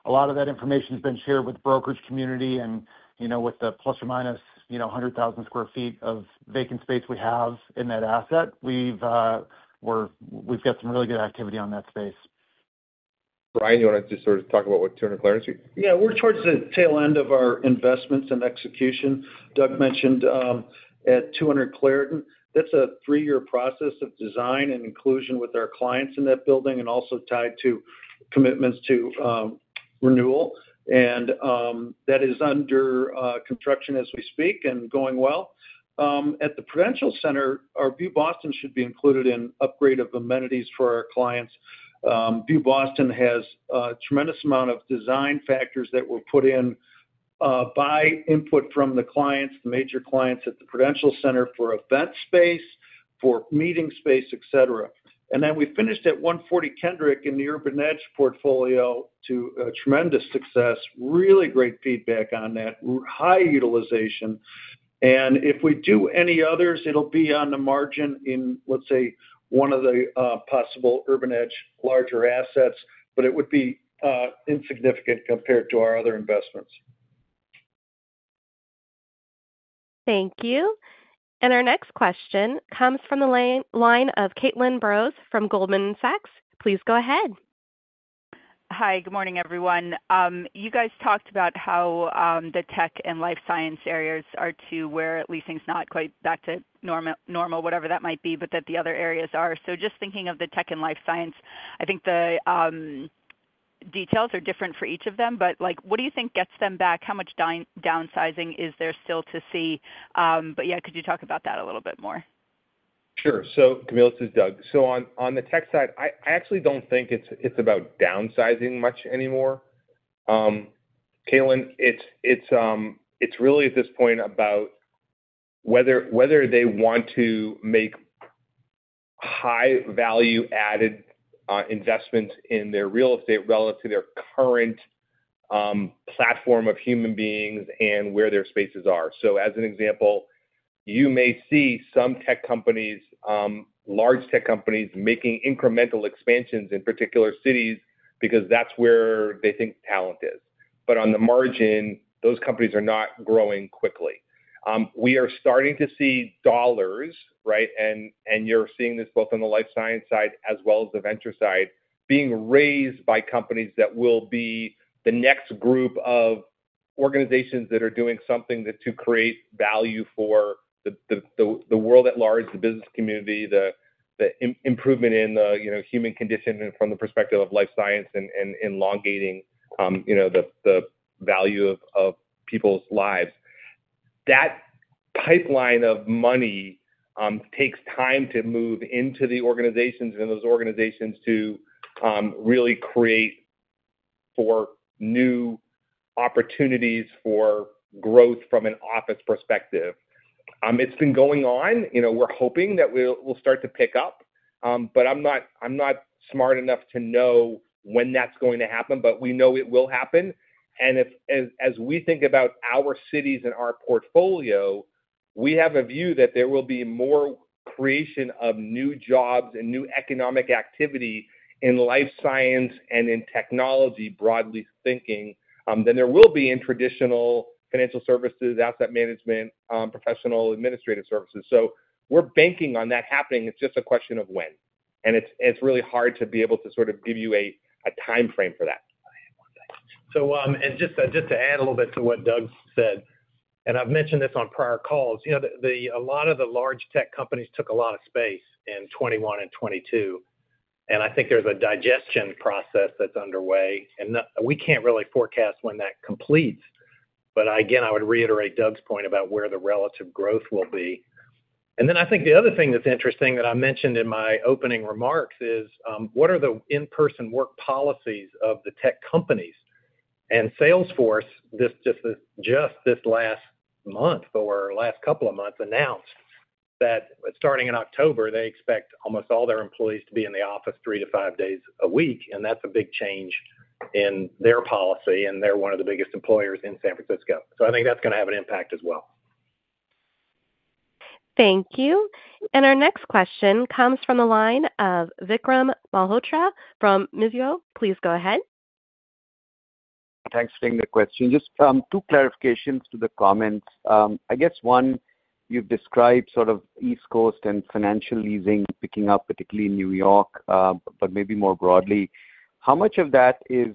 a lot of that information has been shared with the brokerage community and, you know, with the plus or minus 100,000 sq ft of vacant space we have in that asset, we've got some really good activity on that space. Bryan, you want to just sort of talk about what 200 Clarendon Street? Yeah, we're towards the tail end of our investments and execution. Doug mentioned, at 200 Clarendon, that's a 3-year process of design and inclusion with our clients in that building and also tied to commitments to renewal. That is under construction as we speak and going well. At the Prudential Center, our View Boston should be included in upgrade of amenities for our clients. View Boston has a tremendous amount of design factors that were put in by input from the clients, the major clients at the Prudential Center for event space, for meeting space, et cetera. And then we finished at 140 Kendrick in the urban edge portfolio to a tremendous success. Really great feedback on that. High utilization. If we do any others, it'll be on the margin in, let's say, one of the possible urban edge larger assets, but it would be insignificant compared to our other investments. Thank you. Our next question comes from the line of Caitlin Burrows from Goldman Sachs. Please go ahead. Hi, good morning, everyone. You guys talked about how the tech and life science areas are to where leasing is not quite back to normal, whatever that might be, but that the other areas are. So just thinking of the tech and life science, I think the details are different for each of them, but like, what do you think gets them back? How much downsizing is there still to see? But yeah, could you talk about that a little bit more? Sure. So, Caitlin, this is Doug. So, on the tech side, I actually don't think it's about downsizing much anymore. Caitlin, it's really at this point about whether they want to make high value-added investment in their real estate relative to their current platform of human beings and where their spaces are. So, as an example, you may see some tech companies, large tech companies, making incremental expansions in particular cities because that's where they think talent is. But on the margin, those companies are not growing quickly. We are starting to see dollars, right, and you're seeing this both on the life science side as well as the venture side, being raised by companies that will be the next group of organizations that are doing something to create value for the world at large, the business community, the improvement in the, you know, human condition and from the perspective of life science and elongating, you know, the value of people's lives. That pipeline of money takes time to move into the organizations and those organizations to really create for new opportunities for growth from an office perspective. It's been going on. You know, we're hoping that we'll, we'll start to pick up, but I'm not, I'm not smart enough to know when that's going to happen, but we know it will happen. And if, as, as we think about our cities and our portfolio, we have a view that there will be more creation of new jobs and new economic activity in life science and in technology, broadly thinking, than there will be in traditional financial services, asset management, professional administrative services. So we're banking on that happening. It's just a question of when. And it's, it's really hard to be able to sort of give you a, a timeframe for that. So, and just to add a little bit to what Doug said, and I've mentioned this on prior calls, you know, a lot of the large tech companies took a lot of space in 2021 and 2022, and I think there's a digestion process that's underway, and we can't really forecast when that completes. But again, I would reiterate Doug's point about where the relative growth will be. And then I think the other thing that's interesting that I mentioned in my opening remarks is, what are the in-person work policies of the tech companies? Salesforce, just this last month or last couple of months, announced that starting in October, they expect almost all their employees to be in the office three to five days a week, and that's a big change in their policy, and they're one of the biggest employers in San Francisco. So I think that's gonna have an impact as well. Thank you. And our next question comes from the line of Vikram Malhotra from Mizuho. Please go ahead. Thanks for taking the question. Just, two clarifications to the comments. I guess one, you've described sort of East Coast and financial leasing picking up, particularly in New York, but maybe more broadly. How much of that is,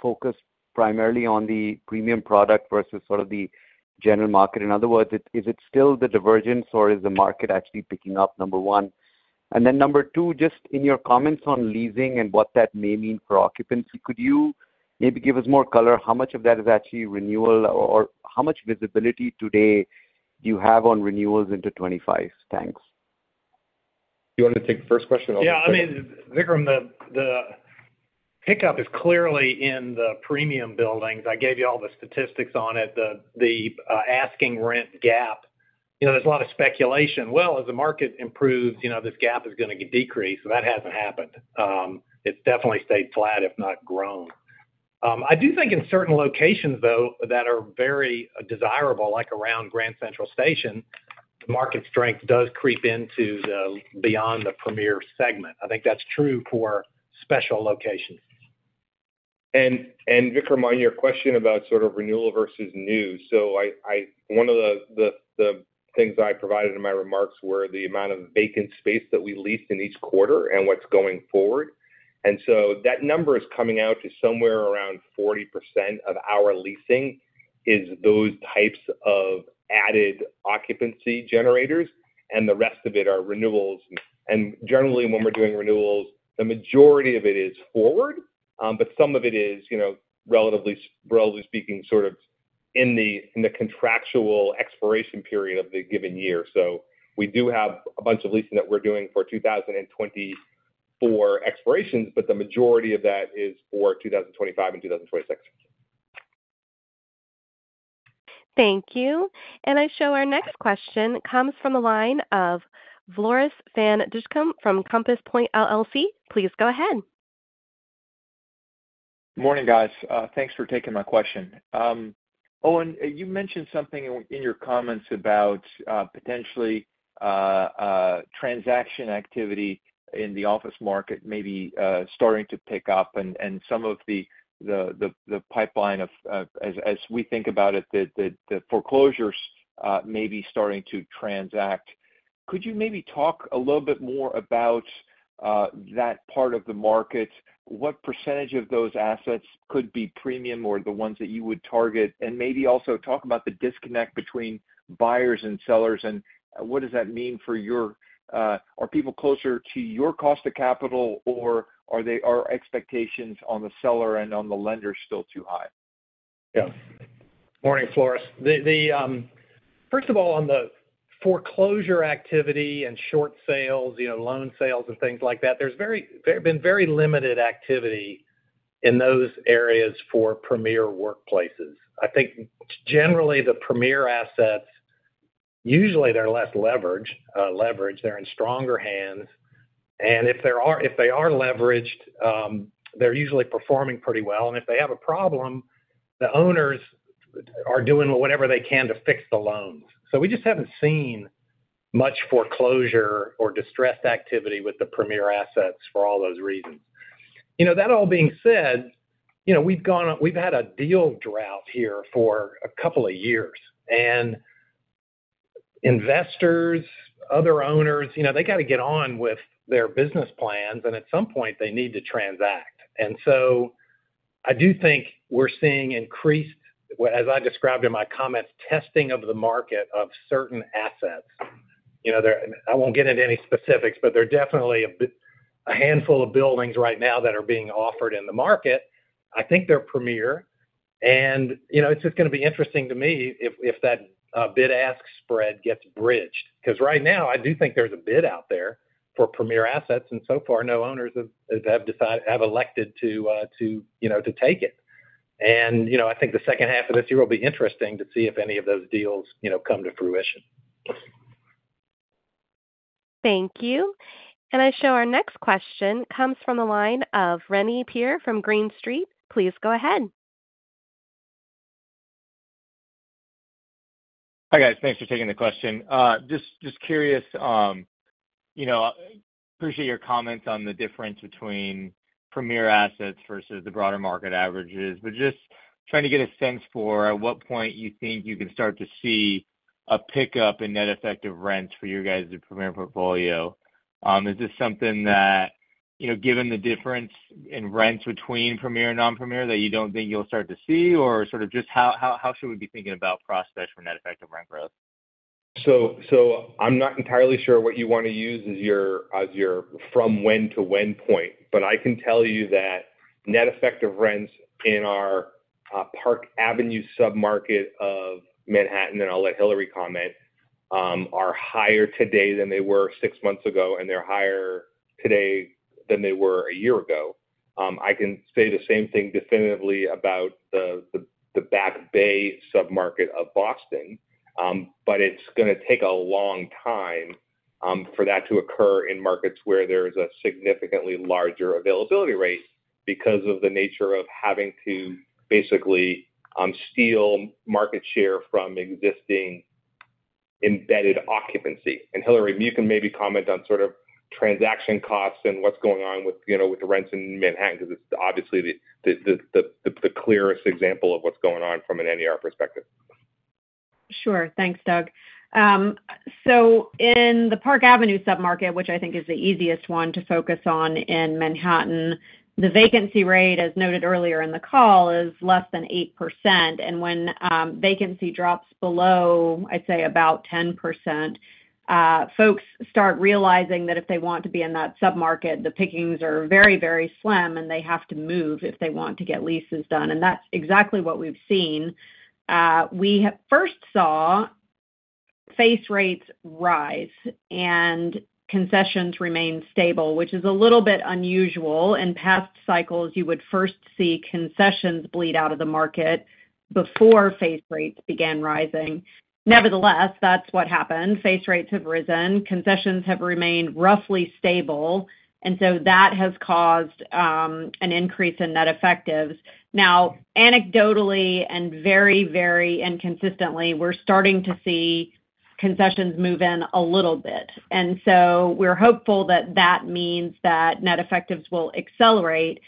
focused primarily on the premium product versus sort of the general market? In other words, is it still the divergence, or is the market actually picking up? Number 1. And then number 2, just in your comments on leasing and what that may mean for occupancy, could you maybe give us more color, how much of that is actually renewal, or how much visibility today do you have on renewals into 2025? Thanks. You want me to take the first question? Yeah, I mean, Vikram, the pickup is clearly in the premium buildings. I gave you all the statistics on it, the asking rent gap. You know, there's a lot of speculation. Well, as the market improves, you know, this gap is gonna decrease, so that hasn't happened. It's definitely stayed flat, if not grown. I do think in certain locations, though, that are very desirable, like around Grand Central Station, the market strength does creep into the beyond the premier segment. I think that's true for special locations. Vikram, on your question about sort of renewal versus new. So one of the things I provided in my remarks were the amount of vacant space that we leased in each quarter and what's going forward. And so that number is coming out to somewhere around 40% of our leasing is those types of added occupancy generators, and the rest of it are renewals. And generally, when we're doing renewals, the majority of it is forward, but some of it is, you know, relatively speaking, sort of in the contractual expiration period of the given year. So we do have a bunch of leasing that we're doing for 2024 expirations, but the majority of that is for 2025 and 2026. Thank you. I show our next question comes from the line of Floris van Dijkum from Compass Point LLC. Please go ahead. Morning, guys. Thanks for taking my question. Owen, you mentioned something in your comments about potentially transaction activity in the office market starting to pick up and some of the pipeline as we think about it, the foreclosures may be starting to transact. Could you maybe talk a little bit more about that part of the market? What percentage of those assets could be premium or the ones that you would target, and maybe also talk about the disconnect between buyers and sellers, and what does that mean for your -- are people closer to your cost of capital, or expectations on the seller and on the lender still too high? Yeah. Morning, Floris. The first of all, on the foreclosure activity and short sales, you know, loan sales and things like that, there's very- there have been very limited activity in those areas for premier workplaces. I think generally, the premier assets, usually they're less leverage, leveraged, they're in stronger hands. And if they are, if they are leveraged, they're usually performing pretty well. And if they have a problem, the owners are doing whatever they can to fix the loans. So, we just haven't seen much foreclosure or distressed activity with the premier assets for all those reasons. You know that all being said, you know, we've had a deal drought here for a couple of years, and investors, other owners, you know, they got to get on with their business plans, and at some point, they need to transact. And so I do think we're seeing increased, well, as I described in my comments, testing of the market of certain assets. You know, there I won't get into any specifics, but there are definitely a handful of buildings right now that are being offered in the market. I think they're premier, and, you know, it's just gonna be interesting to me if that bid-ask spread gets bridged. Because right now, I do think there's a bid out there for premier assets, and so far, no owners have elected to, you know, to take it. And, you know, I think the second half of this year will be interesting to see if any of those deals, you know, come to fruition. Thank you. I show our next question comes from the line of Dylan Burzinski from Green Street. Please go ahead. Hi, guys. Thanks for taking the question. Just curious, you know, appreciate your comments on the difference between premier assets versus the broader market averages. But just trying to get a sense for at what point you think you can start to see a pickup in net effective rents for you guys in the premier portfolio. Is this something that, you know, given the difference in rents between premier and non-premier, that you don't think you'll start to see? Or sort of just how should we be thinking about prospects for net effective rent growth? I'm not entirely sure what you want to use as your, as your from when to when point, but I can tell you that net effective rents in our Park Avenue submarket of Manhattan, and I'll let Hilary comment, are higher today than they were six months ago, and they're higher today than they were a year ago. I can say the same thing definitively about the Back Bay submarket of Boston. But it's gonna take a long time, for that to occur in markets where there is a significantly larger availability rate because of the nature of having to basically steal market share from existing embedded occupancy. Hilary, if you can maybe comment on sort of transaction costs and what's going on with, you know, with the rents in Manhattan, because it's obviously the clearest example of what's going on from an NER perspective. Sure. Thanks, Doug. So in the Park Avenue submarket, which I think is the easiest one to focus on in Manhattan, the vacancy rate, as noted earlier in the call, is less than 8%. And when vacancy drops below, I'd say about 10%, folks start realizing that if they want to be in that submarket, the pickings are very, very slim, and they have to move if they want to get leases done. And that's exactly what we've seen. We first saw face rates rise and concessions remain stable, which is a little bit unusual. In past cycles, you would first see concessions bleed out of the market before face rates began rising. Nevertheless, that's what happened. Face rates have risen, concessions have remained roughly stable, and so that has caused an increase in net effectives. Now, anecdotally and very, very inconsistently, we're starting to see concessions move in a little bit, and so we're hopeful that that means that net effectives will accelerate.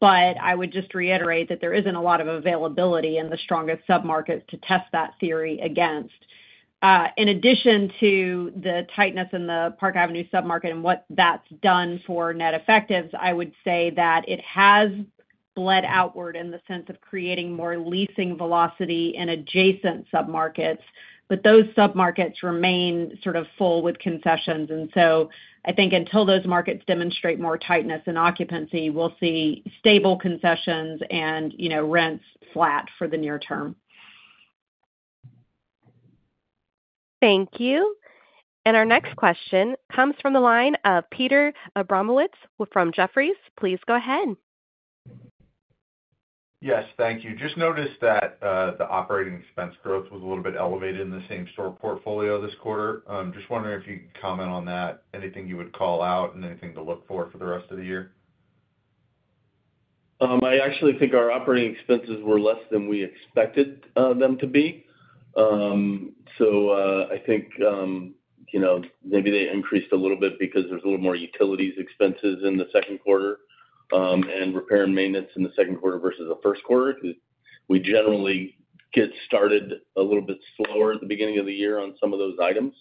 But I would just reiterate that there isn't a lot of availability in the strongest submarkets to test that theory against. In addition to the tightness in the Park Avenue submarket and what that's done for net effectives, I would say that it has bled outward in the sense of creating more leasing velocity in adjacent submarkets, but those submarkets remain sort of full with concessions. And so I think until those markets demonstrate more tightness and occupancy, we'll see stable concessions and, you know, rents flat for the near term. Thank you. Our next question comes from the line of Peter Abramowitz from Jefferies. Please go ahead. Yes, thank you. Just noticed that, the operating expense growth was a little bit elevated in the same-store portfolio this quarter. Just wondering if you could comment on that, anything you would call out, and anything to look for for the rest of the year? I actually think our operating expenses were less than we expected them to be. So, I think, you know, maybe they increased a little bit because there's a little more utilities expenses in the second quarter, and repair and maintenance in the second quarter versus the first quarter. We generally get started a little bit slower at the beginning of the year on some of those items.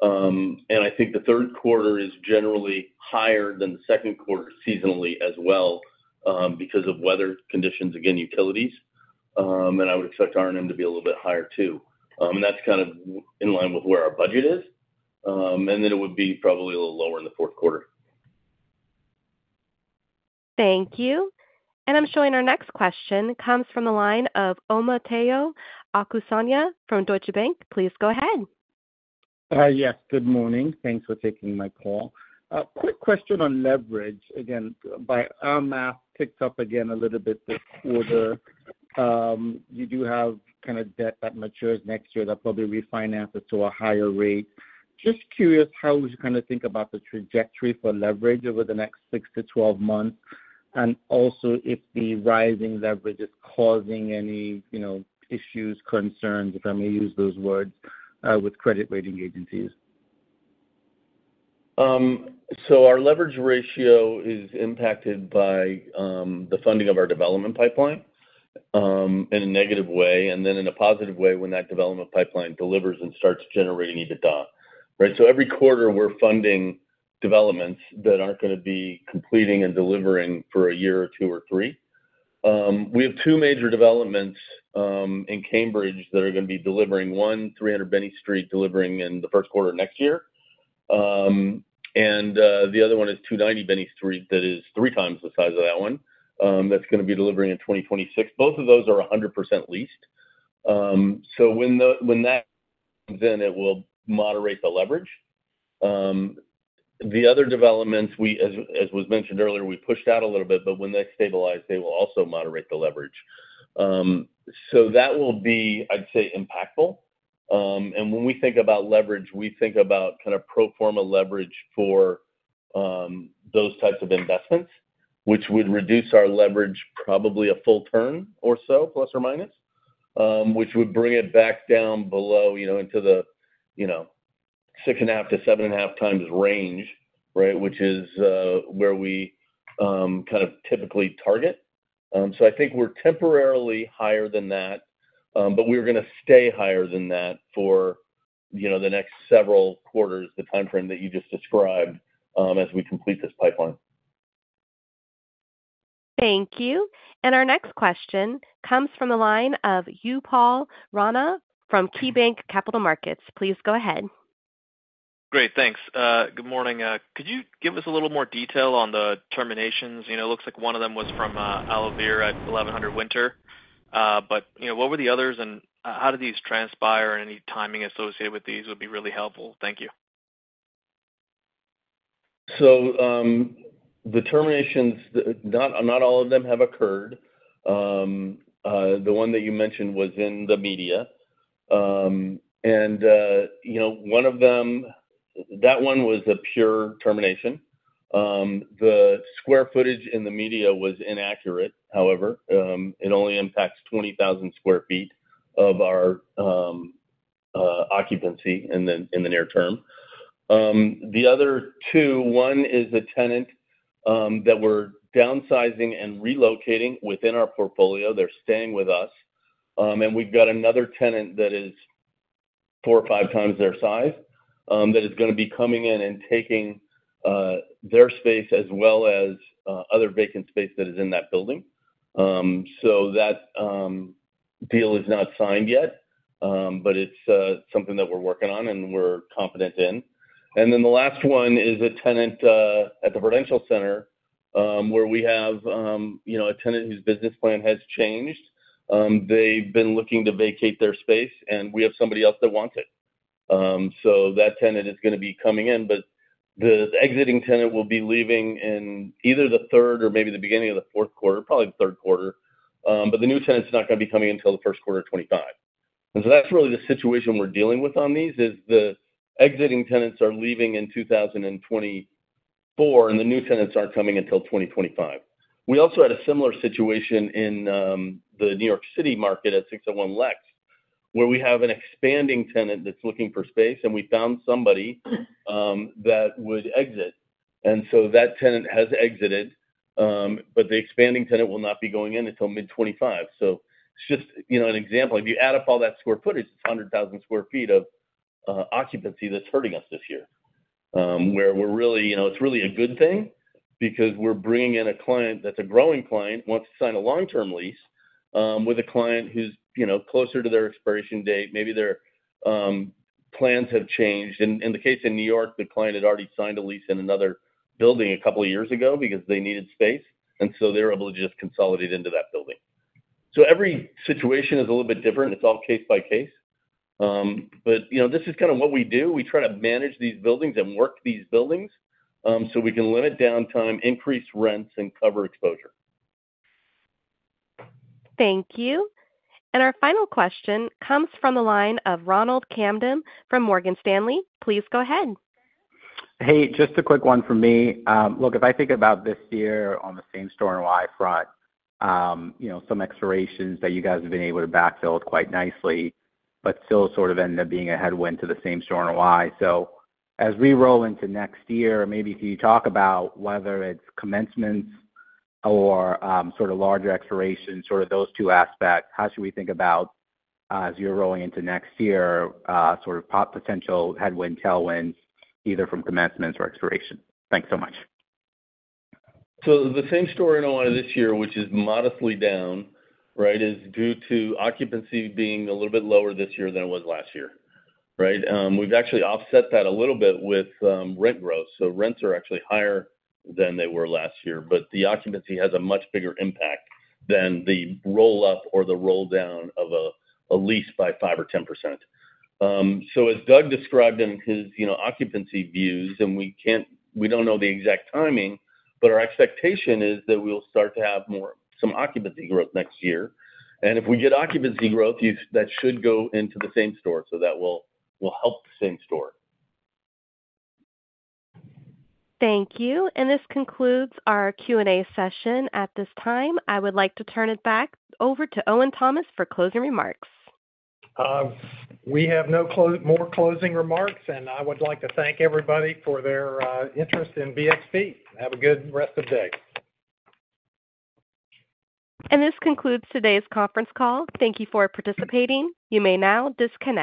And I think the third quarter is generally higher than the second quarter seasonally as well, because of weather conditions, again, utilities. And I would expect R&M to be a little bit higher, too. And that's kind of in line with where our budget is, and then it would be probably a little lower in the fourth quarter. .Thank you. And I'm showing our next question comes from the line of Omotayo Okusanya from Deutsche Bank. Please go ahead. Yes, good morning. Thanks for taking my call. A quick question on leverage. Again, by our math, ticked up again a little bit this quarter. You do have kind of debt that matures next year that probably refinance it to a higher rate. Just curious, how would you kind of think about the trajectory for leverage over the next 6 to 12 months? And also if the rising leverage is causing any, you know, issues, concerns, if I may use those words, with credit rating agencies. So our leverage ratio is impacted by the funding of our development pipeline in a negative way, and then in a positive way, when that development pipeline delivers and starts generating EBITDA, right? So every quarter, we're funding developments that aren't gonna be completing and delivering for a year or two or three. We have two major developments in Cambridge that are gonna be delivering 300 Binney Street, delivering in the first quarter of next year. And the other one is 290 Binney Street. That is three times the size of that one. That's gonna be delivering in 2026. Both of those are 100% leased. So when that, then it will moderate the leverage. The other developments, as was mentioned earlier, we pushed out a little bit, but when they stabilize, they will also moderate the leverage. So that will be, I'd say, impactful. And when we think about leverage, we think about kind of pro forma leverage for those types of investments, which would reduce our leverage, probably a full turn or so, plus or minus. Which would bring it back down below, you know, into the, you know, 6.5-7.5 times range, right? Which is where we kind of typically target. So I think we're temporarily higher than that, but we're gonna stay higher than that for, you know, the next several quarters, the timeframe that you just described, as we complete this pipeline. Thank you. And our next question comes from the line of Upal Rana from KeyBanc Capital Markets. Please go ahead. Great, thanks. Good morning. Could you give us a little more detail on the terminations? You know, it looks like one of them was from Wolverine Worldwide at 1100 Winter Street. But, you know, what were the others, and how did these transpire? Any timing associated with these would be really helpful. Thank you. So, the terminations, not all of them have occurred. The one that you mentioned was in the media. You know, one of them... That one was a pure termination. The square footage in the media was inaccurate, however. It only impacts 20,000 sq ft of our occupancy in the near term. The other two, one is a tenant that we're downsizing and relocating within our portfolio. They're staying with us. And we've got another tenant that is four or five times their size that is gonna be coming in and taking their space as well as other vacant space that is in that building. So that deal is not signed yet, but it's something that we're working on and we're confident in. And then the last one is a tenant at the Prudential Center, where we have you know a tenant whose business plan has changed. They've been looking to vacate their space, and we have somebody else that wants it. So that tenant is gonna be coming in, but the exiting tenant will be leaving in either the third or maybe the beginning of the fourth quarter, probably the third quarter. But the new tenant is not gonna be coming until the first quarter of 2025. And so that's really the situation we're dealing with on these, is the exiting tenants are leaving in 2024, and the new tenants aren't coming until 2025. We also had a similar situation in the New York City market at 601 Lex, where we have an expanding tenant that's looking for space, and we found somebody that would exit. And so that tenant has exited but the expanding tenant will not be going in until mid-2025. So it's just, you know, an example. If you add up all that square footage, it's 100,000 square feet of occupancy that's hurting us this year. Where we're really, you know, it's really a good thing because we're bringing in a client that's a growing client, wants to sign a long-term lease with a client who's, you know, closer to their expiration date. Maybe their plans have changed. In the case in New York, the client had already signed a lease in another building a couple of years ago because they needed space, and so they were able to just consolidate into that building. So every situation is a little bit different. It's all case by case. But, you know, this is kind of what we do. We try to manage these buildings and work these buildings, so we can limit downtime, increase rents, and cover exposure. Thank you. Our final question comes from the line of Ronald Kamdem from Morgan Stanley. Please go ahead. Hey, just a quick one from me. Look, if I think about this year on the same-property NOI front, you know, some expirations that you guys have been able to backfill quite nicely, but still sort of ended up being a headwind to the same-property NOI. So as we roll into next year, maybe if you talk about whether it's commencements or sort of larger expirations, sort of those two aspects, how should we think about, as you're rolling into next year, sort of potential headwind, tailwinds, either from commencements or expirations? Thanks so much. So the same-store NOI this year, which is modestly down, right, is due to occupancy being a little bit lower this year than it was last year, right? We've actually offset that a little bit with rent growth. So rents are actually higher than they were last year, but the occupancy has a much bigger impact than the roll up or the roll down of a lease by 5% or 10%. So as Doug described in his, you know, occupancy views, and we don't know the exact timing, but our expectation is that we'll start to have some occupancy growth next year. And if we get occupancy growth, you that should go into the same-store NOI, so that will help the same-store NOI. Thank you. This concludes our Q&A session. At this time, I would like to turn it back over to Owen Thomas for closing remarks. We have no more closing remarks, and I would like to thank everybody for their interest in BXP. Have a good rest of the day. This concludes today's conference call. Thank you for participating. You may now disconnect.